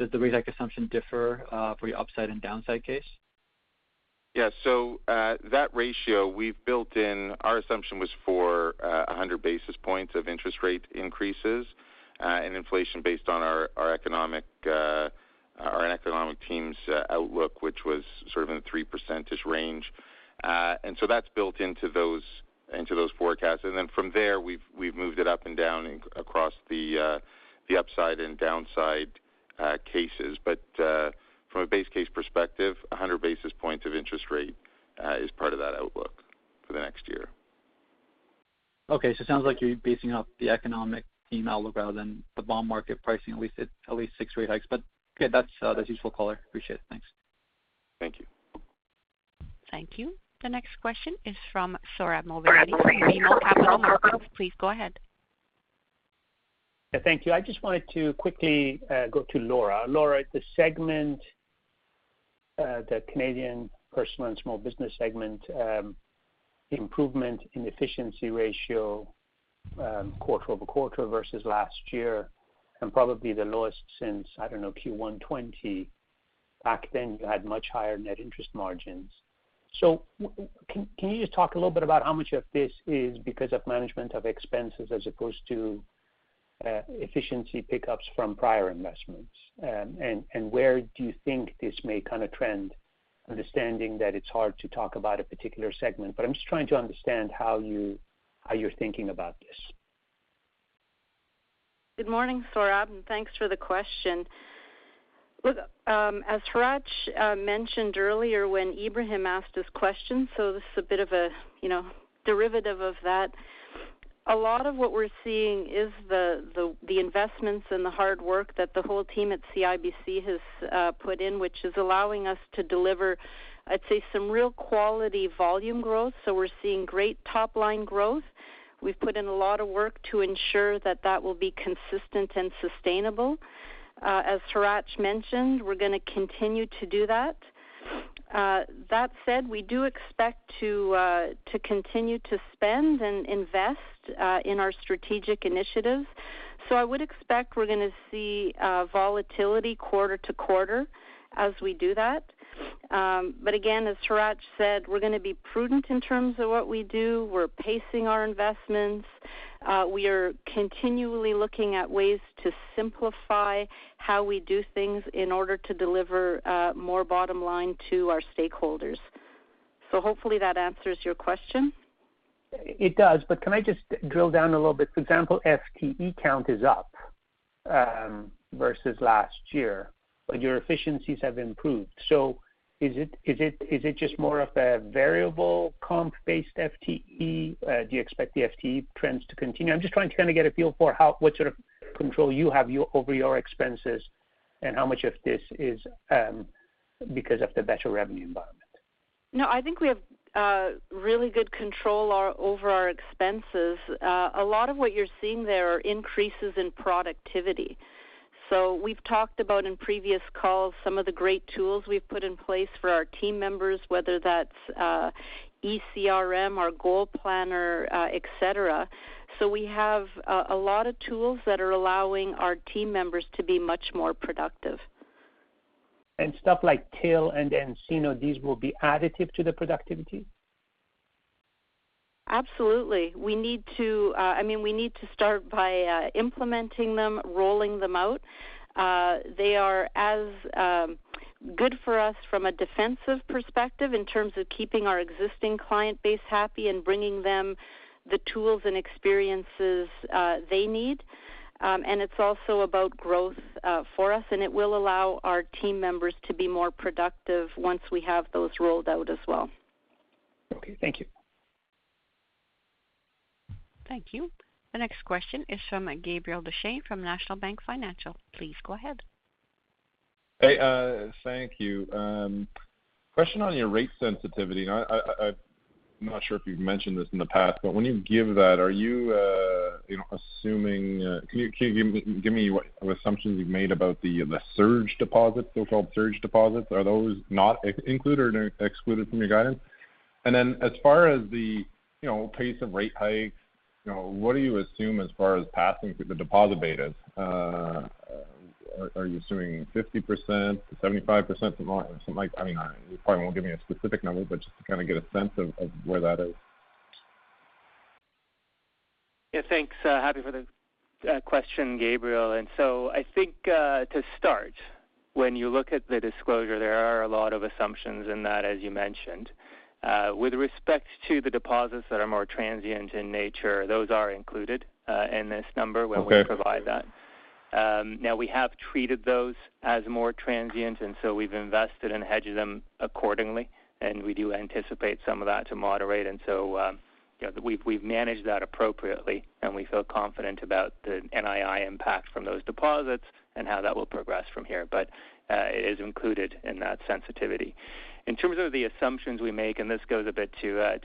Does the rate hike assumption differ for your upside and downside case? Yeah, that ratio we've built in our assumption was for 100 basis points of interest rate increases and inflation based on our economic team's outlook, which was sort of in the 3 percentage range. That's built into those forecasts. Then from there, we've moved it up and down across the upside and downside cases. From a base case perspective, 100 basis points of interest rate is part of that outlook for the next year. Okay. It sounds like you're basing off the economic team outlook rather than the bond market pricing, at least six rate hikes. Okay, that's useful color. Appreciate it. Thanks. Thank you. Thank you. The next question is from Sohrab Movahedi. Please go ahead. Yeah, thank you. I just wanted to quickly go to Laura. Laura, the Canadian Personal and Business Banking segment, improvement in efficiency ratio quarter-over-quarter versus last year, and probably the lowest since, I don't know, Q1 2020. Back then, you had much higher net interest margins. Can you just talk a little bit about how much of this is because of management of expenses as opposed to efficiency pickups from prior investments? Where do you think this may kind of trend? Understanding that it's hard to talk about a particular segment, but I'm just trying to understand how you're thinking about this. Good morning, Sohrab, and thanks for the question. Look, as Hratch mentioned earlier when Ebrahim asked this question, this is a bit of a, you know, derivative of that. A lot of what we're seeing is the investments and the hard work that the whole team at CIBC has put in, which is allowing us to deliver, I'd say, some real quality volume growth. We're seeing great top-line growth. We've put in a lot of work to ensure that will be consistent and sustainable. As Hratch mentioned, we're gonna continue to do that. That said, we do expect to continue to spend and invest in our strategic initiatives. I would expect we're gonna see volatility quarter to quarter as we do that. Again, as Hratch said, we're gonna be prudent in terms of what we do. We're pacing our investments. We are continually looking at ways to simplify how we do things in order to deliver more bottom line to our stakeholders. Hopefully that answers your question. It does, but can I just drill down a little bit? For example, FTE count is up versus last year, but your efficiencies have improved. Is it just more of a variable comp-based FTE? Do you expect the FTE trends to continue? I'm just trying to kinda get a feel for what sort of control you have over your expenses and how much of this is because of the better revenue environment. No, I think we have really good control over our expenses. A lot of what you're seeing there are increases in productivity. We've talked about in previous calls some of the great tools we've put in place for our team members, whether that's ECRM, our GoalPlanner, et cetera. We have a lot of tools that are allowing our team members to be much more productive. Stuff like Tyl and nCino, these will be additive to the productivity? Absolutely. I mean, we need to start by implementing them, rolling them out. They are as good for us from a defensive perspective in terms of keeping our existing client base happy and bringing them the tools and experiences they need. It's also about growth for us, and it will allow our team members to be more productive once we have those rolled out as well. Okay. Thank you. Thank you. The next question is from Gabriel Dechaine from National Bank Financial. Please go ahead. Hey, thank you. Question on your rate sensitivity. Now I'm not sure if you've mentioned this in the past, but when you give that, are you know, assuming, can you give me what assumptions you've made about the surge deposits, so-called surge deposits? Are those not included or excluded from your guidance? And then as far as the pace of rate hike, you know, what do you assume as far as passing the deposit betas? Are you assuming 50%, 75%, something like, I mean, you probably won't give me a specific number, but just to kind of get a sense of where that is. Yeah, thanks. Happy for the question, Gabriel. I think, to start, when you look at the disclosure, there are a lot of assumptions in that, as you mentioned. With respect to the deposits that are more transient in nature, those are included in this number- Okay. -when we provide that. Now we have treated those as more transient, and so we've invested and hedged them accordingly, and we do anticipate some of that to moderate. You know, we've managed that appropriately, and we feel confident about the NII impact from those deposits and how that will progress from here. It is included in that sensitivity. In terms of the assumptions we make, and this goes a bit to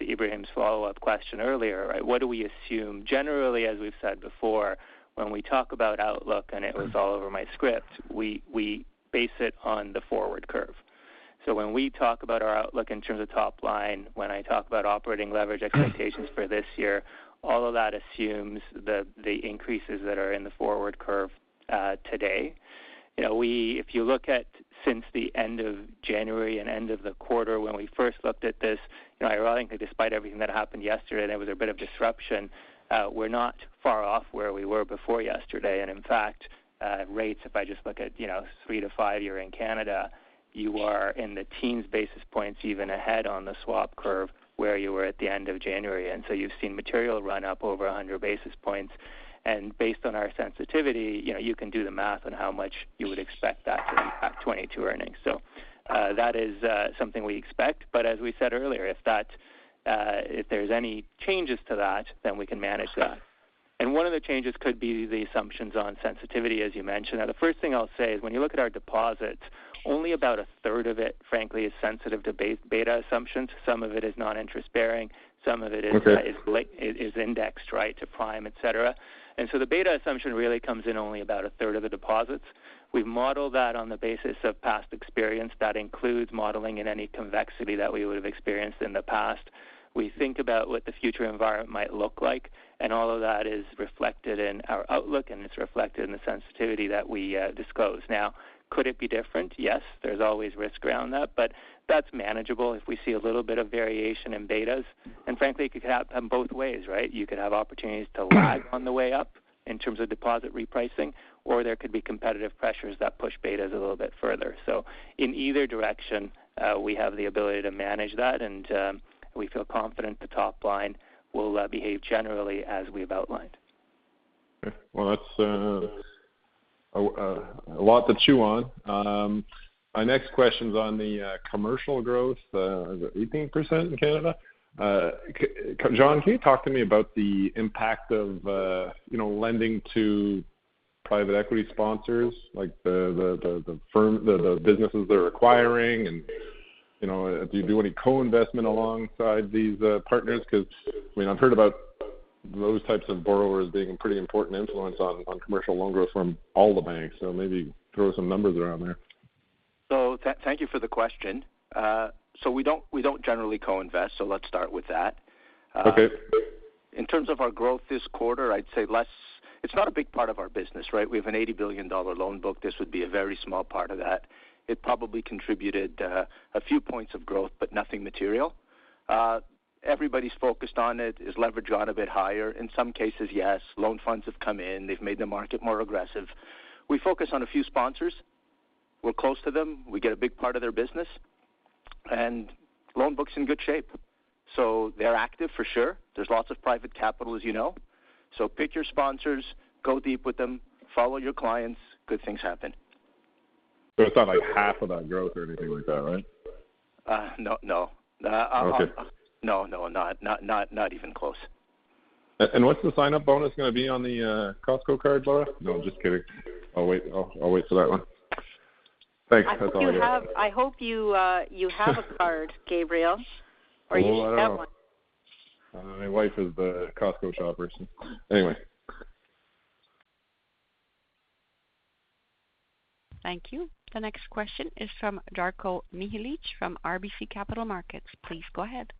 Ibrahim's follow-up question earlier, right? What do we assume? Generally, as we've said before, when we talk about outlook, and it was all over my script, we base it on the forward curve. When we talk about our outlook in terms of top line, when I talk about operating leverage expectations for this year, all of that assumes the increases that are in the forward curve today. You know, if you look at since the end of January and end of the quarter when we first looked at this, you know, ironically, despite everything that happened yesterday, there was a bit of disruption, we're not far off where we were before yesterday. In fact, rates, if I just look at, you know, three to five-year in Canada, you are in the teens basis points even ahead on the swap curve where you were at the end of January. You've seen material run up over 100 basis points. Based on our sensitivity, you know, you can do the math on how much you would expect that to impact 2022 earnings. That is something we expect. As we said earlier, if that, if there's any changes to that, then we can manage that. One of the changes could be the assumptions on sensitivity, as you mentioned. Now, the first thing I'll say is when you look at our deposits, only about 1/3 of it, frankly, is sensitive to base beta assumptions. Some of it is non-interest bearing, some of it is- Okay. -is indexed, right, to prime, et cetera. The beta assumption really comes in only about 1/3 of the deposits. We've modeled that on the basis of past experience. That includes modeling in any convexity that we would have experienced in the past. We think about what the future environment might look like, and all of that is reflected in our outlook, and it's reflected in the sensitivity that we disclose. Now, could it be different? Yes, there's always risk around that, but that's manageable if we see a little bit of variation in betas. Frankly, it could happen both ways, right? You could have opportunities to lag on the way up in terms of deposit repricing, or there could be competitive pressures that push betas a little bit further. In either direction, we have the ability to manage that, and we feel confident the top line will behave generally as we've outlined. Okay. Well, that's a lot to chew on. My next question's on the commercial growth, is it 18% in Canada? Jon, can you talk to me about the impact of, you know, lending to private equity sponsors like the firm, the businesses they're acquiring and, you know, do you do any co-investment alongside these partners? Because, I mean, I've heard about those types of borrowers being a pretty important influence on commercial loan growth from all the banks, so maybe throw some numbers around there. Thank you for the question. We don't generally co-invest, so let's start with that. Okay. In terms of our growth this quarter, I'd say it's not a big part of our business, right? We have a 80 billion dollar loan book. This would be a very small part of that. It probably contributed a few points of growth, but nothing material. Everybody's focused on it. Is leverage on a bit higher? In some cases, yes. Loan funds have come in. They've made the market more aggressive. We focus on a few sponsors. We're close to them. We get a big part of their business. Loan book's in good shape. They're active for sure. There's lots of private capital, as you know. Pick your sponsors, go deep with them, follow your clients, good things happen. It's not like half of that growth or anything like that, right? No. Okay. No, not even close. What's the sign-up bonus gonna be on the Costco card, Laura? No, just kidding. I'll wait for that one. Thanks. That's all I got. I hope you have a card, Gabriel, or you get one. Well, I don't know. My wife is the Costco shopper, so anyway. Thank you. The next question is from Darko Mihelic from RBC Capital Markets. Please go ahead.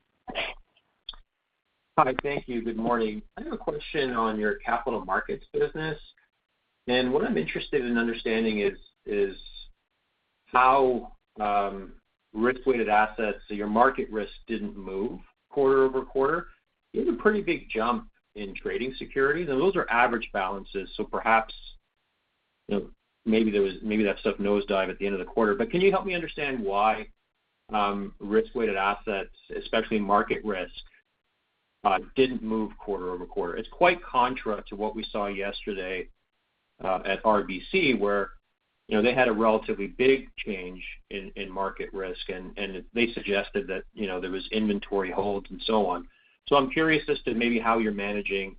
Hi. Thank you. Good morning. I have a question on your Capital Markets business. What I'm interested in understanding is how risk-weighted assets, so your market risk didn't move quarter-over-quarter. You had a pretty big jump in trading securities, and those are average balances, so perhaps maybe that stuff nosedived at the end of the quarter. Can you help me understand why risk-weighted assets, especially market risk, didn't move quarter-over-quarter? It's quite contrary to what we saw yesterday at RBC, where they had a relatively big change in market risk, and they suggested that there was inventory holds and so on. I'm curious as to maybe how you're managing.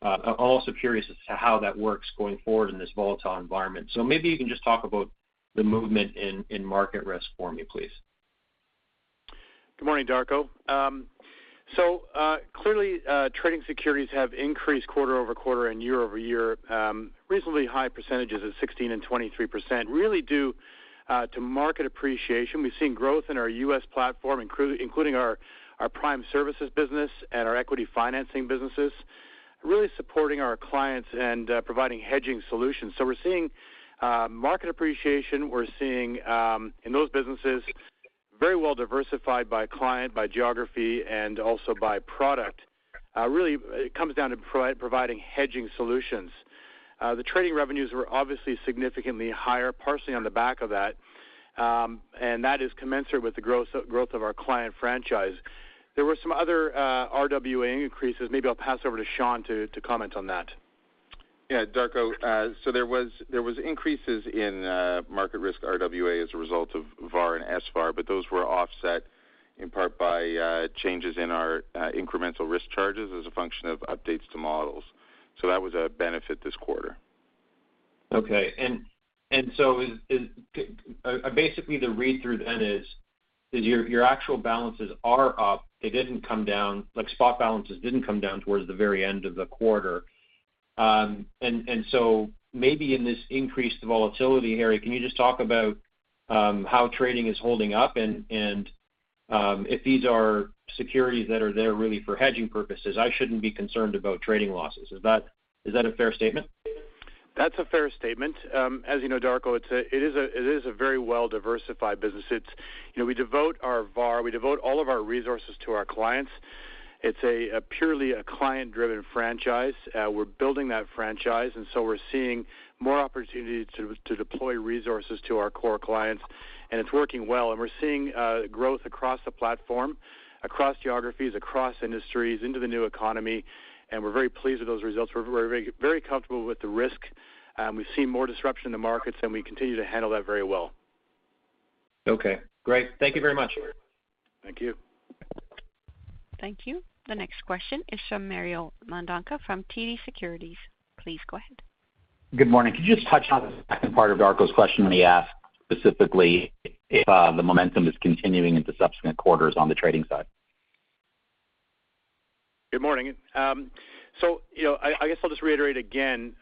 I'm also curious as to how that works going forward in this volatile environment. Maybe you can just talk about the movement in market risk for me, please. Good morning, Darko. Clearly, trading securities have increased quarter-over-quarter and year-over-year, reasonably high percentages of 16% and 23%, really due to market appreciation. We've seen growth in our U.S. platform, including our prime services business and our equity financing businesses, really supporting our clients and providing hedging solutions. We're seeing market appreciation. We're seeing, in those businesses, very well diversified by client, by geography, and also by product. Really it comes down to providing hedging solutions. The trading revenues were obviously significantly higher, partially on the back of that, and that is commensurate with the growth of our client franchise. There were some other RWA increases. Maybe I'll pass over to Shawn to comment on that. Yeah, Darko, so there were increases in market risk RWA as a result of VaR and SVaR, but those were offset in part by changes in our incremental risk charges as a function of updates to models. That was a benefit this quarter. Okay. Basically the read through then is your actual balances are up. They didn't come down. Like, spot balances didn't come down towards the very end of the quarter. Maybe in this increased volatility, Harry, can you just talk about how trading is holding up? If these are securities that are there really for hedging purposes, I shouldn't be concerned about trading losses. Is that a fair statement? That's a fair statement. As you know, Darko, it is a very well-diversified business. You know, we devote all of our resources to our clients. It's purely a client-driven franchise. We're building that franchise, so we're seeing more opportunity to deploy resources to our core clients, and it's working well. We're seeing growth across the platform, across geographies, across industries, into the new economy, and we're very pleased with those results. We're very comfortable with the risk. We've seen more disruption in the markets, and we continue to handle that very well. Okay, great. Thank you very much. Thank you. Thank you. The next question is from Mario Mendonca from TD Securities. Please go ahead. Good morning. Could you just touch on the second part of Darko's question when he asked specifically if the momentum is continuing into subsequent quarters on the trading side? Good morning. You know, I guess I'll just reiterate again,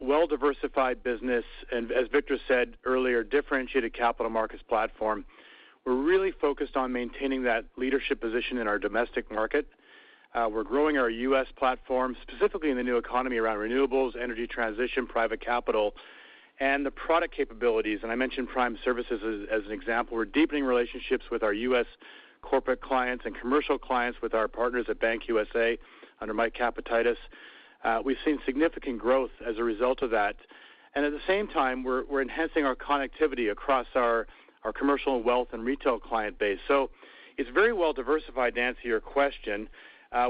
well-diversified business and, as Victor said earlier, differentiated Capital Markets platform. We're really focused on maintaining that leadership position in our domestic market. We're growing our U.S. platform, specifically in the new economy around renewables, energy transition, private capital, and the product capabilities, and I mentioned prime services as an example. We're deepening relationships with our U.S. corporate clients and commercial clients with our partners at CIBC Bank USA under Mike Capatides. We've seen significant growth as a result of that. At the same time, we're enhancing our connectivity across our commercial wealth and retail client base. It's very well diversified to answer your question.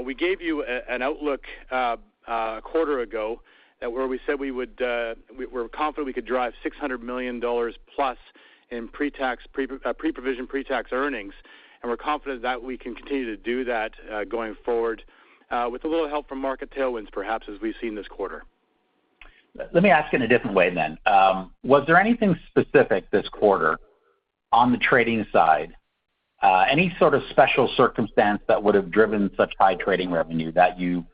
We gave you an outlook a quarter ago where we said we would, we're confident we could drive 600+ million dollars in pre-tax, pre-provision pre-tax earnings. We're confident that we can continue to do that going forward with a little help from market tailwinds, perhaps as we've seen this quarter. Let me ask in a different way then. Was there anything specific this quarter on the trading side, any sort of special circumstance that would have driven such high trading revenue that you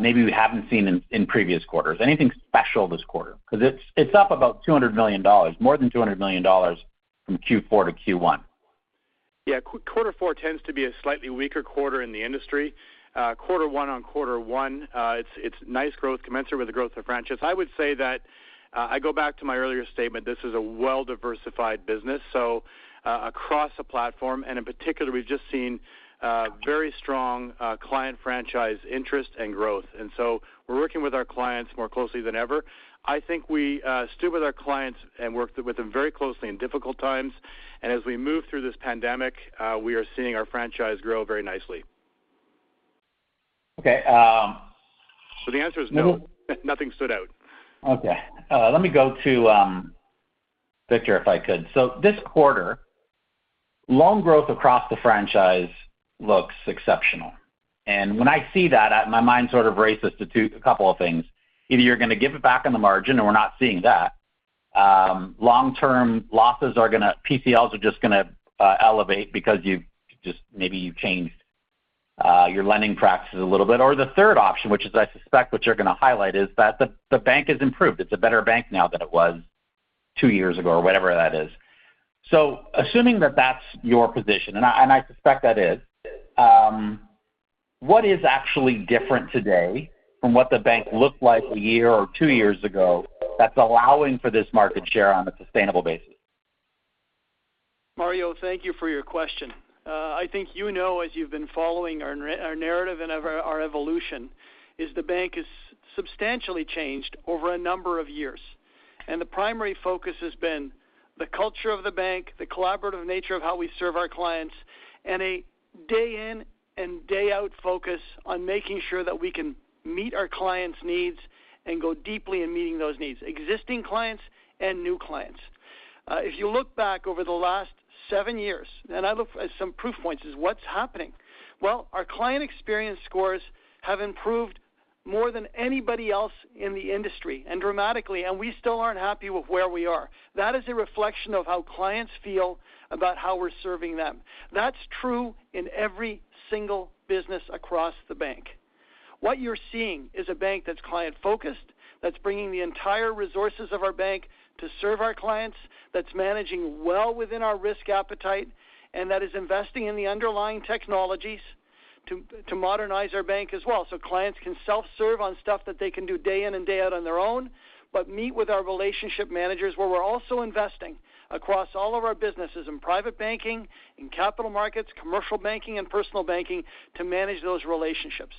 maybe we haven't seen in previous quarters? Anything special this quarter? Because it's up about 200 million dollars, more than 200 million dollars from Q4 to Q1. Yeah. Quarter four tends to be a slightly weaker quarter in the industry. Quarter one on quarter one, it's nice growth commensurate with the growth of franchise. I would say that, I go back to my earlier statement, this is a well-diversified business. Across the platform, and in particular, we've just seen very strong client franchise interest and growth. We're working with our clients more closely than ever. I think we stood with our clients and worked with them very closely in difficult times. As we move through this pandemic, we are seeing our franchise grow very nicely. Okay. The answer is no, nothing stood out. Okay. Let me go to Victor, if I could. This quarter, loan growth across the franchise looks exceptional. When I see that, my mind sort of races to a couple of things. Either you're going to give it back on the margin, and we're not seeing that. PCLs are just going to elevate because maybe you've changed your lending practices a little bit. The third option, which is I suspect what you're going to highlight, is that the bank has improved. It's a better bank now than it was two years ago or whatever that is. Assuming that that's your position, and I suspect that is, what is actually different today from what the bank looked like a year or two years ago that's allowing for this market share on a sustainable basis? Mario, thank you for your question. I think you know as you've been following our our narrative and our evolution is the bank has substantially changed over a number of years. The primary focus has been the culture of the bank, the collaborative nature of how we serve our clients, and a day in and day out focus on making sure that we can meet our clients' needs and go deeply in meeting those needs, existing clients and new clients. If you look back over the last seven years, and I look at some proof points is what's happening. Well, our client experience scores have improved more than anybody else in the industry and dramatically, and we still aren't happy with where we are. That is a reflection of how clients feel about how we're serving them. That's true in every single business across the bank. What you're seeing is a bank that's client-focused, that's bringing the entire resources of our bank to serve our clients, that's managing well within our risk appetite, and that is investing in the underlying technologies to modernize our bank as well. Clients can self-serve on stuff that they can do day in and day out on their own, but meet with our relationship managers, where we're also investing across all of our businesses in private banking, in Capital Markets, commercial banking, and personal banking to manage those relationships.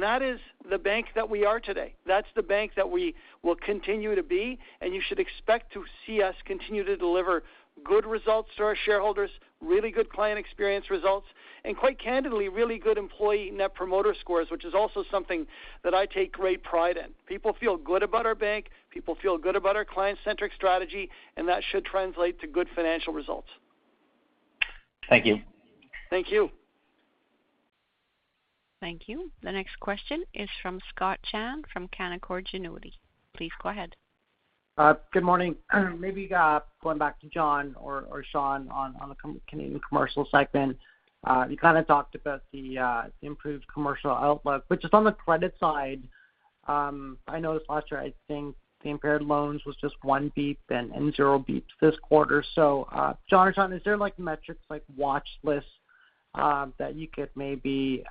That is the bank that we are today. That's the bank that we will continue to be, and you should expect to see us continue to deliver good results to our shareholders, really good client experience results, and quite candidly, really good employee net promoter scores, which is also something that I take great pride in. People feel good about our bank, people feel good about our client-centric strategy, and that should translate to good financial results. Thank you. Thank you. Thank you. The next question is from Scott Chan from Canaccord Genuity. Please go ahead. Good morning. Maybe going back to Jon or Shawn on the Canadian Commercial segment. You kind of talked about the improved commercial outlook, which is on the credit side. I noticed last year, I think the impaired loans was just one basis point and zero basis points this quarter. Jon or Shawn, is there like metrics like watch lists that you could maybe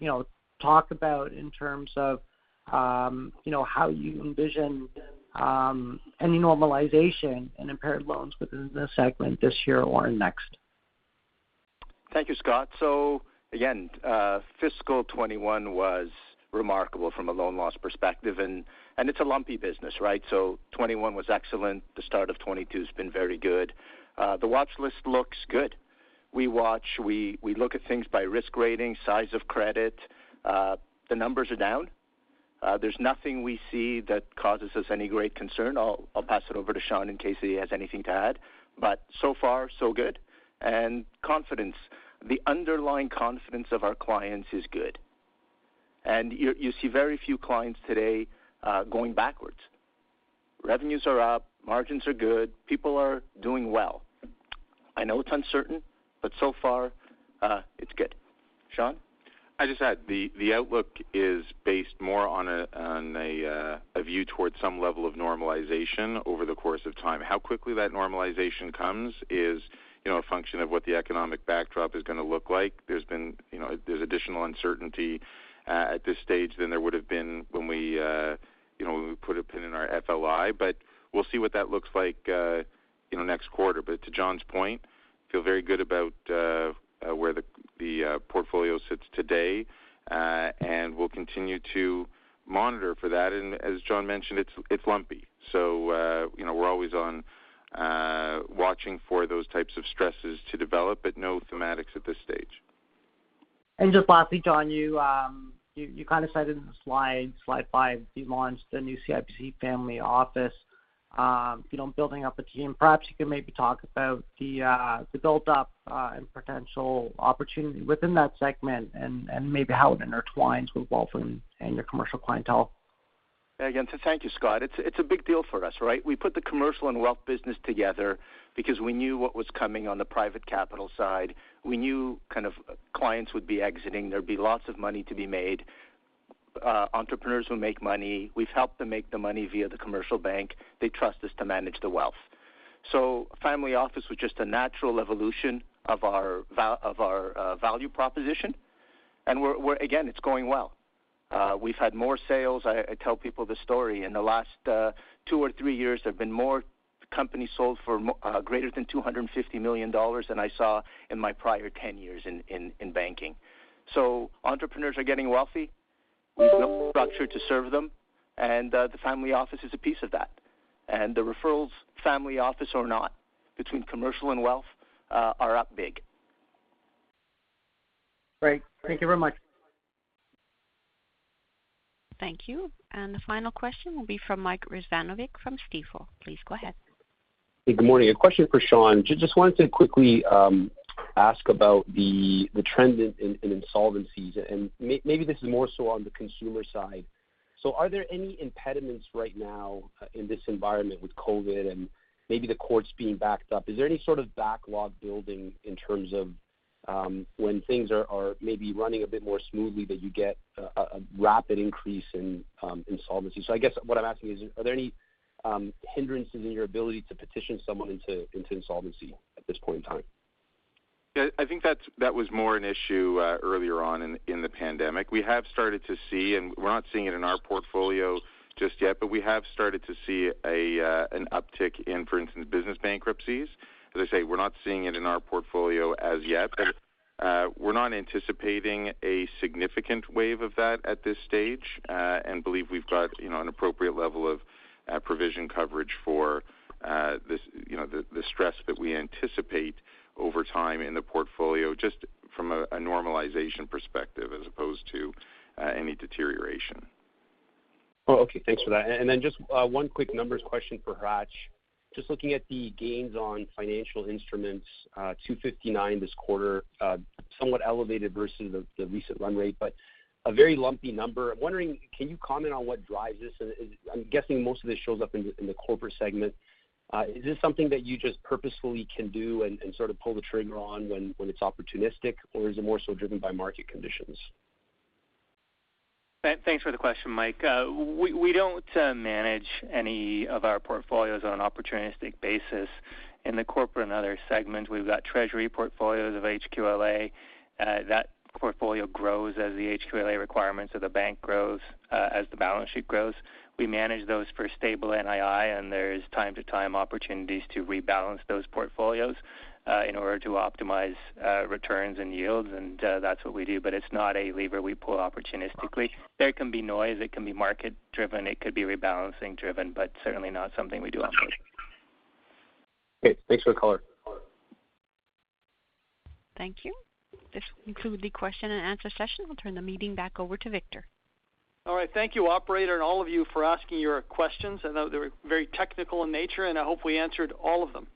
you know talk about in terms of you know how you envision any normalization in impaired loans within the segment this year or next? Thank you, Scott. Again, fiscal 2021 was remarkable from a loan loss perspective, and it's a lumpy business, right? 2021 was excellent. The start of 2022 has been very good. The watch list looks good. We look at things by risk rating, size of credit. The numbers are down. There's nothing we see that causes us any great concern. I'll pass it over to Shawn in case he has anything to add. So far, so good. Confidence, the underlying confidence of our clients is good. You see very few clients today going backwards. Revenues are up, margins are good, people are doing well. I know it's uncertain, but so far, it's good. Shawn? I just add the outlook is based more on a view towards some level of normalization over the course of time. How quickly that normalization comes is, you know, a function of what the economic backdrop is going to look like. There's additional uncertainty at this stage than there would have been when we put a pin in our FLI. We'll see what that looks like, you know, next quarter. To Jon's point, feel very good about where the portfolio sits today. We'll continue to monitor for that. As Jon mentioned, it's lumpy. You know, we're always on, watching for those types of stresses to develop, but no thematics at this stage. Just lastly, Jon, you kind of said in slide five, you launched a new CIBC Family Office. You know, building up a team. Perhaps you could maybe talk about the build up and potential opportunity within that segment and maybe how it intertwines with wealth and your commercial clientele. Thank you, Scott. It's a big deal for us, right? We put the commercial and wealth business together because we knew what was coming on the private capital side. We knew kind of clients would be exiting. There'd be lots of money to be made. Entrepreneurs will make money. We've helped them make the money via the commercial bank. They trust us to manage the wealth. Family Office was just a natural evolution of our value proposition. It's going well. We've had more sales. I tell people this story. In the last two or three years, there have been more companies sold for greater than 250 million dollars than I saw in my prior 10 years in banking. Entrepreneurs are getting wealthy. We've built structure to serve them, and the Family Office is a piece of that. The referrals, Family Office or not, between commercial and wealth, are up big. Great. Thank you very much. Thank you. The final question will be from Mike Rizvanovic from Stifel. Please go ahead. Hey, good morning. A question for Shawn. Just wanted to quickly ask about the trend in insolvencies, and maybe this is more so on the consumer side. Are there any impediments right now in this environment with COVID and maybe the courts being backed up? Is there any sort of backlog building in terms of when things are maybe running a bit more smoothly, that you get a rapid increase in insolvency? I guess what I'm asking is, are there any hindrances in your ability to petition someone into insolvency at this point in time? Yeah, I think that was more an issue earlier on in the pandemic. We have started to see, and we're not seeing it in our portfolio just yet, but we have started to see an uptick in, for instance, business bankruptcies. As I say, we're not seeing it in our portfolio as yet. We're not anticipating a significant wave of that at this stage, and believe we've got, you know, an appropriate level of provision coverage for this, you know, the stress that we anticipate over time in the portfolio, just from a normalization perspective as opposed to any deterioration. Oh, okay. Thanks for that. Then just one quick numbers question for Hratch. Just looking at the gains on financial instruments, 259 this quarter. Somewhat elevated versus the recent run rate, but a very lumpy number. I'm wondering, can you comment on what drives this? I'm guessing most of this shows up in the Corporate segment. Is this something that you just purposefully can do and sort of pull the trigger on when it's opportunistic, or is it more so driven by market conditions? Thanks for the question, Mike. We don't manage any of our portfolios on an opportunistic basis. In the Corporate and Other segments, we've got treasury portfolios of HQLA. That portfolio grows as the HQLA requirements of the bank grows, as the balance sheet grows. We manage those for stable NII, and there's from time to time opportunities to rebalance those portfolios, in order to optimize returns and yields, and that's what we do. But it's not a lever we pull opportunistically. There can be noise, it can be market-driven, it could be rebalancing-driven, but certainly not something we do opportunistically. Okay, thanks for the color. Thank you. This concludes the question-and-answer session. We'll turn the meeting back over to Victor. All right. Thank you, Operator, and all of you for asking your questions. I know they were very technical in nature, and I hope we answered all of them.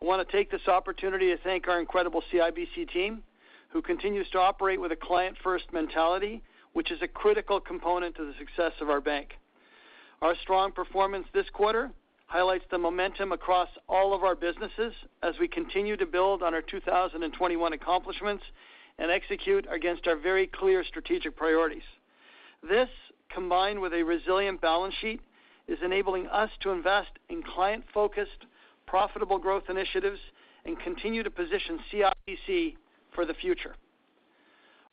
I wanna take this opportunity to thank our incredible CIBC team, who continues to operate with a client-first mentality, which is a critical component to the success of our bank. Our strong performance this quarter highlights the momentum across all of our businesses as we continue to build on our 2021 accomplishments and execute against our very clear strategic priorities. This, combined with a resilient balance sheet, is enabling us to invest in client-focused, profitable growth initiatives and continue to position CIBC for the future.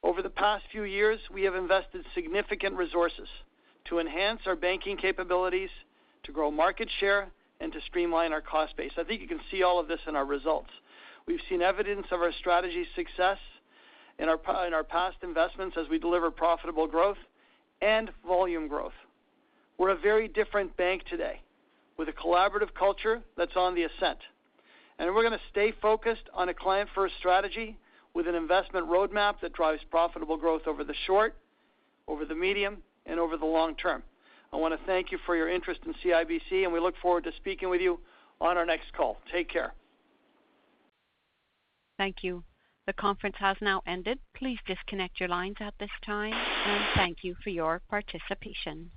Over the past few years, we have invested significant resources to enhance our banking capabilities, to grow market share, and to streamline our cost base. I think you can see all of this in our results. We've seen evidence of our strategy's success in our past investments as we deliver profitable growth and volume growth. We're a very different bank today with a collaborative culture that's on the ascent. We're gonna stay focused on a client-first strategy with an investment roadmap that drives profitable growth over the short, over the medium, and over the long term. I wanna thank you for your interest in CIBC, and we look forward to speaking with you on our next call. Take care. Thank you. The conference has now ended. Please disconnect your lines at this time, and thank you for your participation.